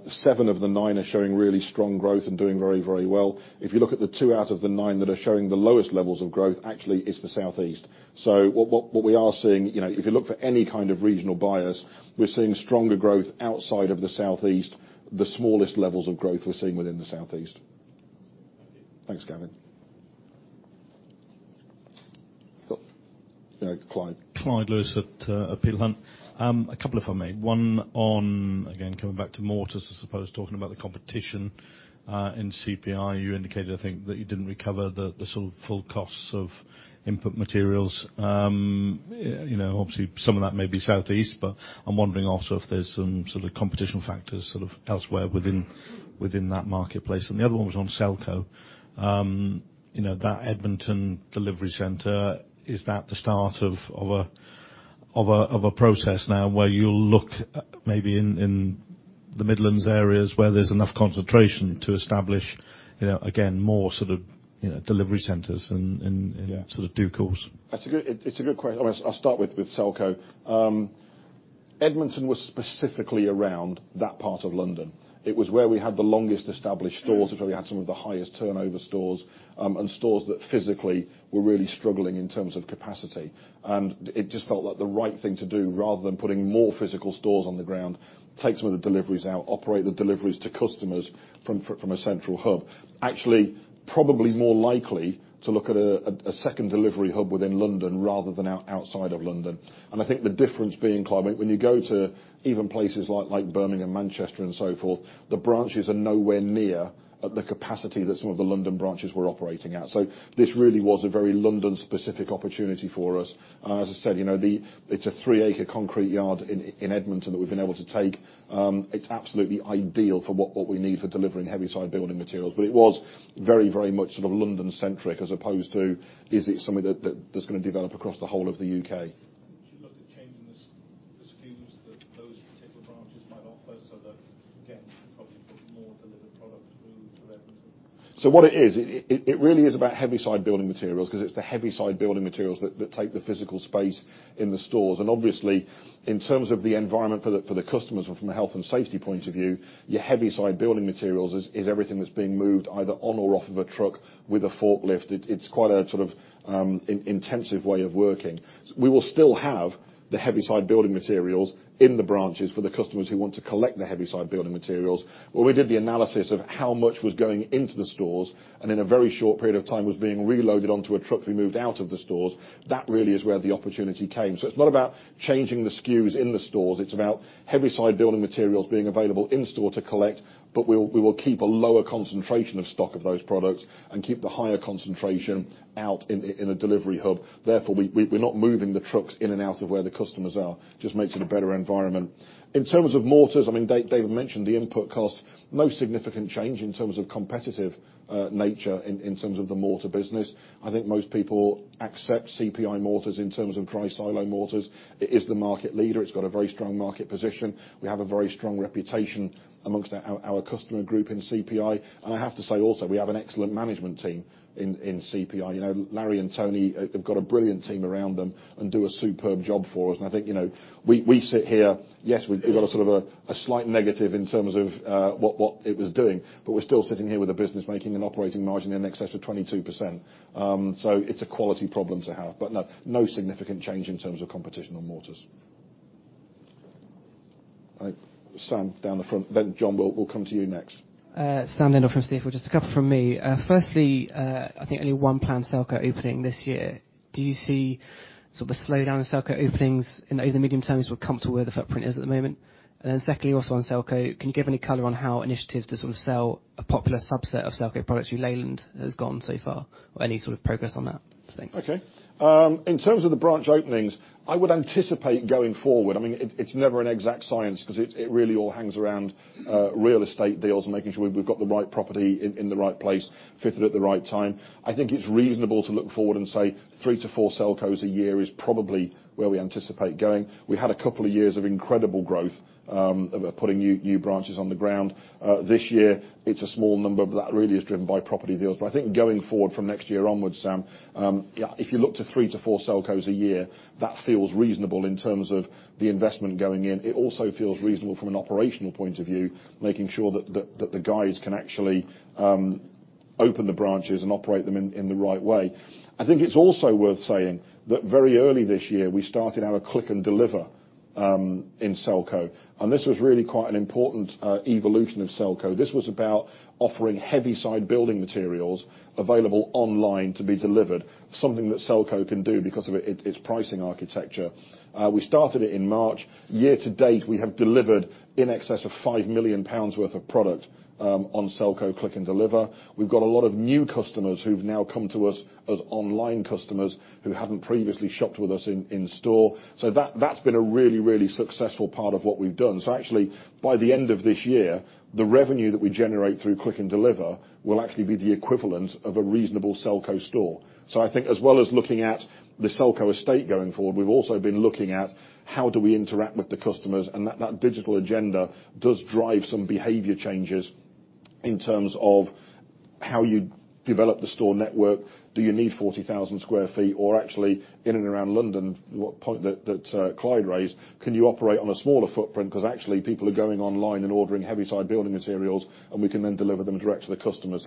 Seven of the nine are showing really strong growth and doing very well. If you look at the two out of the nine that are showing the lowest levels of growth, actually it's the Southeast. What we are seeing, if you look for any kind of regional bias, we're seeing stronger growth outside of the Southeast. The smallest levels of growth we're seeing within the Southeast. Thank you. Thanks, Gavin. Phil. No, Clyde.
Clyde Lewis at Peel Hunt. A couple if I may. One on, again, coming back to mortars, I suppose, talking about the competition, in CPI, you indicated, I think, that you didn't recover the full costs of input materials. Obviously, some of that may be Southeast, but I'm wondering also if there's some sort of competition factors, elsewhere within that marketplace. The other one was on Selco. That Edmonton delivery center, is that the start of a process now where you'll look maybe in the Midlands areas where there's enough concentration to establish, again, more delivery centers in due course?
It's a good question. I'll start with Selco. Edmonton was specifically around that part of London. It was where we had the longest established stores. It's where we had some of the highest turnover stores, and stores that physically were really struggling in terms of capacity. It just felt like the right thing to do, rather than putting more physical stores on the ground, take some of the deliveries out, operate the deliveries to customers from a central hub. Actually, probably more likely to look at a second delivery hub within London rather than out outside of London. I think the difference being, Clyde, when you go to even places like Birmingham, Manchester and so forth, the branches are nowhere near at the capacity that some of the London branches were operating at. This really was a very London specific opportunity for us. As I said, it is a three acre concrete yard in Edmonton that we have been able to take. It is absolutely ideal for what we need for delivering heavy side building materials. It was very much London centric as opposed to, is it something that is going to develop across the whole of the U.K.?
Would you look at changing the SKUs that those particular branches might offer so that, again, you could probably put more delivered product through to Edmonton?
What it is, it really is about heavy side building materials, because it's the heavy side building materials that take the physical space in the stores. Obviously, in terms of the environment for the customers and from a health and safety point of view, your heavy side building materials is everything that's being moved either on or off of a truck with a forklift. It's quite a sort of intensive way of working. We will still have the heavy side building materials in the branches for the customers who want to collect the heavy side building materials. When we did the analysis of how much was going into the stores and in a very short period of time was being reloaded onto a truck to be moved out of the stores, that really is where the opportunity came. It's not about changing the SKUs in the stores. It's about heavy side building materials being available in store to collect. We will keep a lower concentration of stock of those products and keep the higher concentration out in a delivery hub. Therefore, we are not moving the trucks in and out of where the customers are. Just makes it a better environment. In terms of mortars, David mentioned the input cost. No significant change in terms of competitive nature in terms of the mortar business. I think most people accept CPI Mortars in terms of dry silo mortars. It is the market leader. It has got a very strong market position. We have a very strong reputation amongst our customer group in CPI. I have to say also, we have an excellent management team in CPI. Larry and Tony have got a brilliant team around them and do a superb job for us. I think, we sit here, yes, we've got a sort of a slight negative in terms of what it was doing. We're still sitting here with a business making an operating margin in excess of 22%. It's a quality problem to have, but no significant change in terms of competition on mortars. Sam, down the front, then John, we'll come to you next.
Sam Dindol from Stifel. Just a couple from me. Firstly, I think only one planned Selco opening this year. Do you see sort of a slowdown in Selco openings in the medium term? Is we're comfortable where the footprint is at the moment? Secondly, also on Selco, can you give any color on how initiatives to sort of sell a popular subset of Selco products through Leyland has gone so far? Any sort of progress on that? Thanks.
Okay. In terms of the branch openings, I would anticipate going forward, it's never an exact science because it really all hangs around real estate deals and making sure we've got the right property in the right place, fitted at the right time. I think it's reasonable to look forward and say three to four Selcos a year is probably where we anticipate going. We had a couple of years of incredible growth, of putting new branches on the ground. This year, it's a small number, but that really is driven by property deals. I think going forward from next year onwards, Sam, if you look to three to four Selcos a year, that feels reasonable in terms of the investment going in. It also feels reasonable from an operational point of view, making sure that the guys can actually open the branches and operate them in the right way. I think it's also worth saying that very early this year, we started our Click & Deliver in Selco. This was really quite an important evolution of Selco. This was about offering heavy side building materials available online to be delivered, something that Selco can do because of its pricing architecture. We started it in March. Year to date, we have delivered in excess of 5 million pounds worth of product on Selco Click & Deliver. We've got a lot of new customers who've now come to us as online customers who haven't previously shopped with us in store. That's been a really successful part of what we've done. Actually, by the end of this year, the revenue that we generate through Click & Deliver will actually be the equivalent of a reasonable Selco store. In terms of how you develop the store network, do you need 40,000 square feet? Or actually in and around London, what point that Clyde raised, can you operate on a smaller footprint? Actually people are going online and ordering heavy side building materials, and we can then deliver them direct to the customer.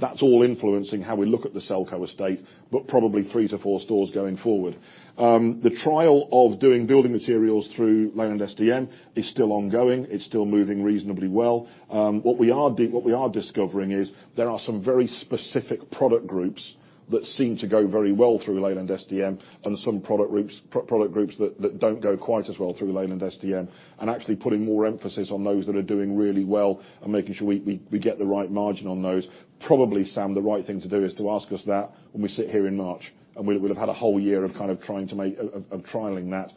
That's all influencing how we look at the Selco estate, but probably 3-4 stores going forward. The trial of doing building materials through Leyland SDM is still ongoing. It's still moving reasonably well. What we are discovering is there are some very specific product groups that seem to go very well through Leyland SDM and some product groups that don't go quite as well through Leyland SDM, and actually putting more emphasis on those that are doing really well and making sure we get the right margin on those. Probably, Sam, the right thing to do is to ask us that when we sit here in March and we'd have had a whole year of trialing that.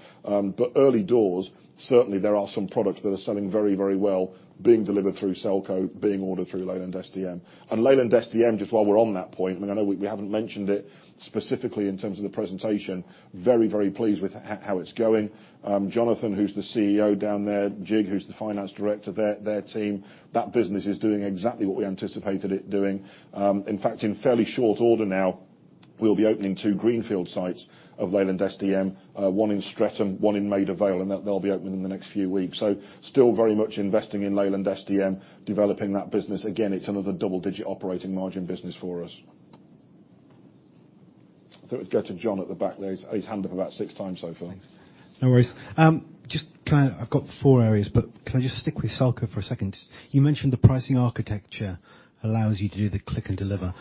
Early doors, certainly there are some products that are selling very well, being delivered through Selco, being ordered through Leyland SDM. Leyland SDM, just while we're on that point, I know we haven't mentioned it specifically in terms of the presentation, very pleased with how it's going. Jonathan, who's the CEO down there, Jig, who's the Finance Director, their team, that business is doing exactly what we anticipated it doing. In fact, in fairly short order now, we'll be opening two greenfield sites of Leyland SDM, one in Streatham, one in Maida Vale, and they'll be open in the next few weeks. Still very much investing in Leyland SDM, developing that business. Again, it's another double-digit operating margin business for us. I thought we'd go to John at the back there. He's had his hand up about six times so far.
Thanks. No worries. I've got four areas. Can I just stick with Selco for a second? You mentioned the pricing architecture allows you to do the Click & Deliver.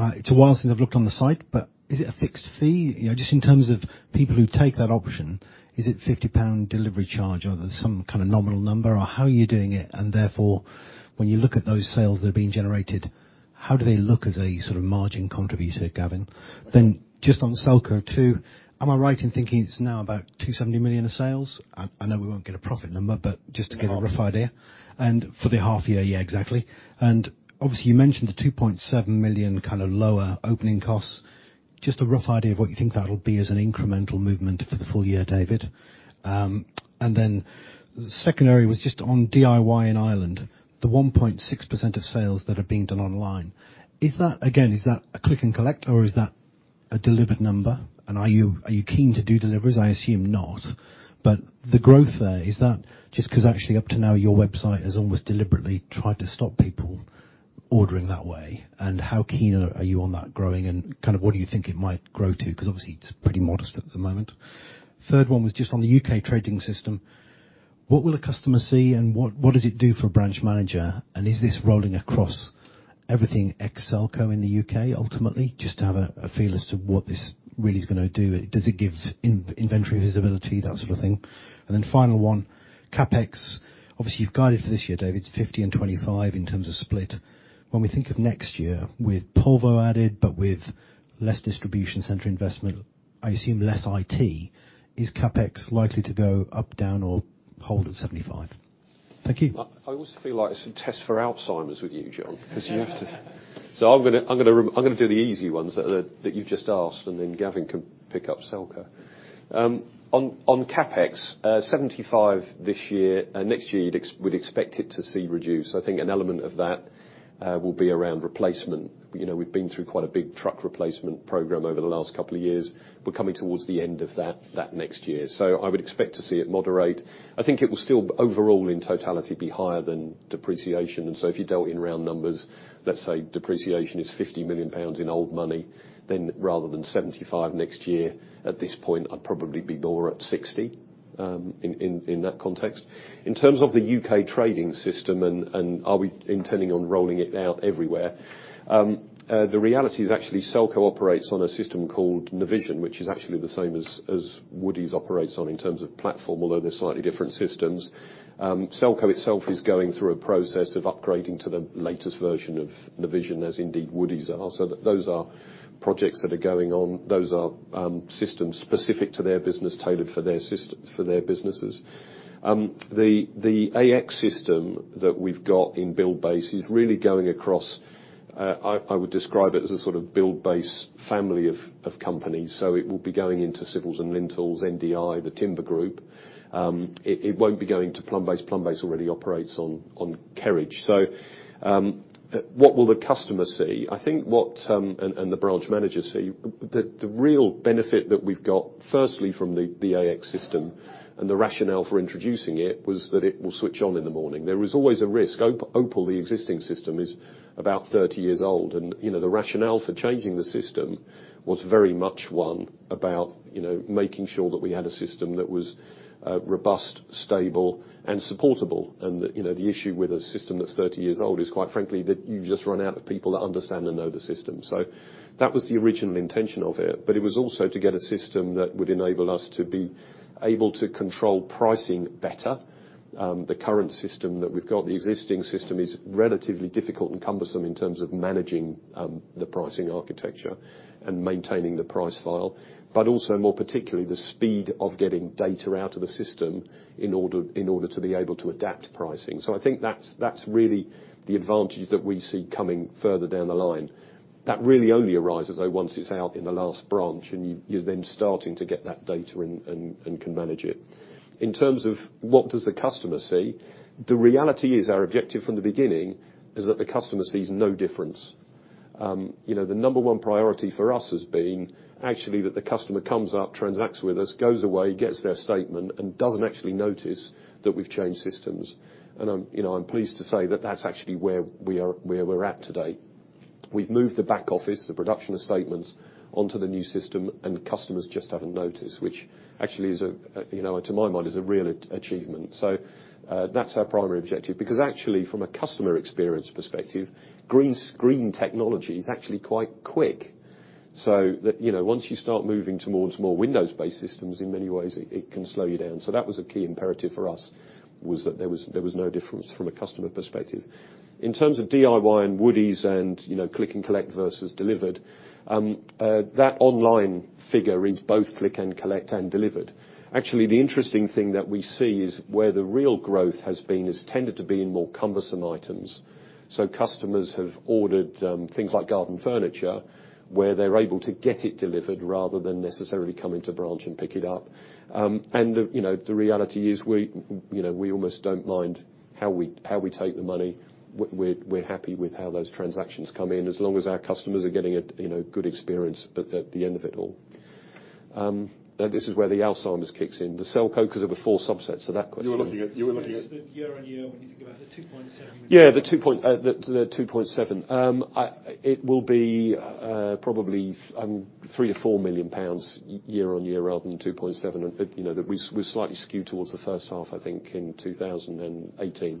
It's a while since I've looked on the site. Is it a fixed fee? Just in terms of people who take that option, is it a 50 pound delivery charge or there's some kind of nominal number, or how are you doing it? Therefore, when you look at those sales that are being generated, how do they look as a sort of margin contributor, Gavin? Just on Selco, too, am I right in thinking it's now about 270 million of sales? I know we won't get a profit number, just to get a rough idea.
For the half year.
For the half year. Yeah, exactly. Obviously you mentioned the 2.7 million lower opening costs. Just a rough idea of what you think that will be as an incremental movement for the full year, David. Second area was just on DIY in Ireland, the 1.6% of sales that are being done online. Again, is that a click and collect or is that a delivered number? Are you keen to do deliveries? I assume not. The growth there, is that just because actually up to now your website has almost deliberately tried to stop people ordering that way and how keen are you on that growing and what do you think it might grow to? Obviously it is pretty modest at the moment. Third one was just on the U.K. trading system. What will a customer see and what does it do for a branch manager? Is this rolling across everything ex Selco in the U.K. ultimately? Just to have a feel as to what this really is going to do. Does it give inventory visibility, that sort of thing? Final one, CapEx. Obviously you've guided for this year, David, it's 50 and 25 in terms of split. When we think of next year with Polvo added but with less distribution center investment, I assume less IT, is CapEx likely to go up, down, or hold at 75? Thank you.
I almost feel like it's a test for Alzheimer's with you, John, because you have to I'm going to do the easy ones that you've just asked, and then Gavin can pick up Selco. On CapEx, 75 this year and next year we'd expect it to see reduce. I think an element of that will be around replacement. We've been through quite a big truck replacement program over the last couple of years. We're coming towards the end of that next year. I would expect to see it moderate. I think it will still overall in totality be higher than depreciation. If you dealt in round numbers, let's say depreciation is 50 million pounds in old money, then rather than 75 next year, at this point, I'd probably be more at 60, in that context. In terms of the U.K. trading system and are we intending on rolling it out everywhere? The reality is actually Selco operates on a system called Navision, which is actually the same as Woodie's operates on in terms of platform, although they're slightly different systems. Selco itself is going through a process of upgrading to the latest version of Navision, as indeed Woodie's are. Those are projects that are going on. Those are systems specific to their business, tailored for their businesses. The AX system that we've got in Buildbase is really going across, I would describe it as a sort of Buildbase family of companies. It will be going into Civils & Lintels, NDI, The Timber Group. It won't be going to Plumbase. Plumbase already operates on Kerridge. What will the customer see? I think what, and the branch managers see, the real benefit that we've got firstly from the AX system and the rationale for introducing it was that it will switch on in the morning. There was always a risk. Opal, the existing system, is about 30 years old and the rationale for changing the system was very much one about making sure that we had a system that was robust, stable and supportable. The issue with a system that's 30 years old is quite frankly, that you've just run out of people that understand and know the system. That was the original intention of it. It was also to get a system that would enable us to be able to control pricing better. The current system that we've got, the existing system, is relatively difficult and cumbersome in terms of managing the pricing architecture and maintaining the price file, but also more particularly the speed of getting data out of the system in order to be able to adapt pricing. I think that's really the advantage that we see coming further down the line. That really only arises, though, once it's out in the last branch and you're then starting to get that data and can manage it. In terms of what does the customer see? The reality is our objective from the beginning is that the customer sees no difference.
The number one priority for us has been actually that the customer comes up, transacts with us, goes away, gets their statement, and doesn't actually notice that we've changed systems. I'm pleased to say that that's actually where we're at today. We've moved the back office, the production of statements, onto the new system, and customers just haven't noticed, which actually, to my mind, is a real achievement. That's our primary objective, because actually, from a customer experience perspective, green screen technology is actually quite quick. Once you start moving towards more Windows-based systems, in many ways, it can slow you down. That was a key imperative for us, was that there was no difference from a customer perspective. In terms of DIY and Woodie's and Click & Collect versus delivered, that online figure is both Click & Collect and delivered. Actually, the interesting thing that we see is where the real growth has been, has tended to be in more cumbersome items. Customers have ordered things like garden furniture, where they are able to get it delivered rather than necessarily come into branch and pick it up. The reality is we almost do not mind how we take the money. We are happy with how those transactions come in, as long as our customers are getting a good experience at the end of it all. This is where Aynsley kicks in. The Selco, because there were four subsets to that question.
You were looking at-
Just the year on year, when you think about the 2.7.
Yeah, the 2.7. It will be probably 3 million or 4 million pounds year-on-year rather than 2.7, that we slightly skew towards the first half, I think, in 2018.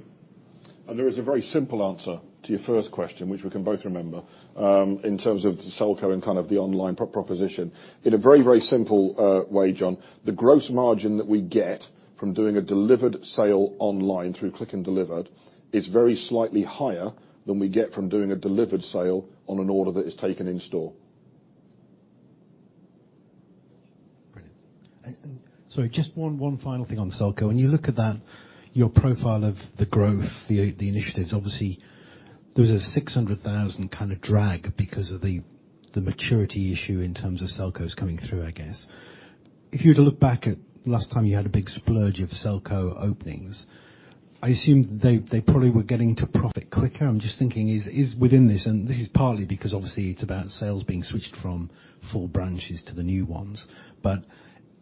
There is a very simple answer to your first question, which we can both remember, in terms of the Selco and kind of the online proposition. In a very simple way, John, the gross margin that we get from doing a delivered sale online through Click & Deliver is very slightly higher than we get from doing a delivered sale on an order that is taken in store.
Brilliant. Sorry, just one final thing on Selco. When you look at that, your profile of the growth, the initiatives, obviously, there was a 600,000 kind of drag because of the maturity issue in terms of Selco's coming through, I guess. If you were to look back at last time you had a big splurge of Selco openings, I assume they probably were getting to profit quicker. I'm just thinking, is within this, and this is partly because obviously it's about sales being switched from full branches to the new ones.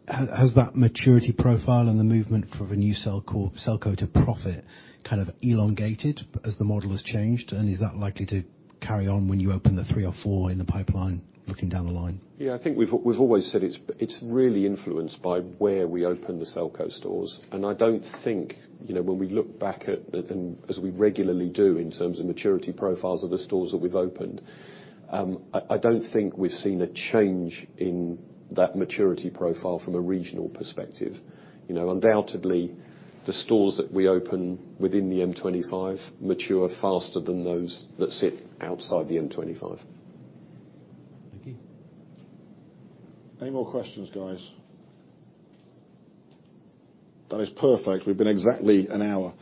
Has that maturity profile and the movement for the new Selco to profit kind of elongated as the model has changed? Is that likely to carry on when you open the three or four in the pipeline, looking down the line?
Yeah, I think we've always said it's really influenced by where we open the Selco stores. I don't think, when we look back at, as we regularly do in terms of maturity profiles of the stores that we've opened, I don't think we've seen a change in that maturity profile from a regional perspective. Undoubtedly, the stores that we open within the M25 mature faster than those that sit outside the M25.
Thank you.
Any more questions, guys? That is perfect. We've been exactly an hour.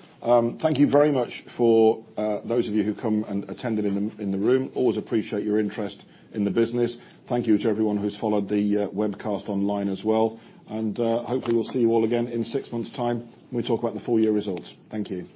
Thank you very much for those of you who've come and attended in the room. Always appreciate your interest in the business. Thank you to everyone who's followed the webcast online as well. Hopefully we'll see you all again in six months' time, when we talk about the full year results. Thank you.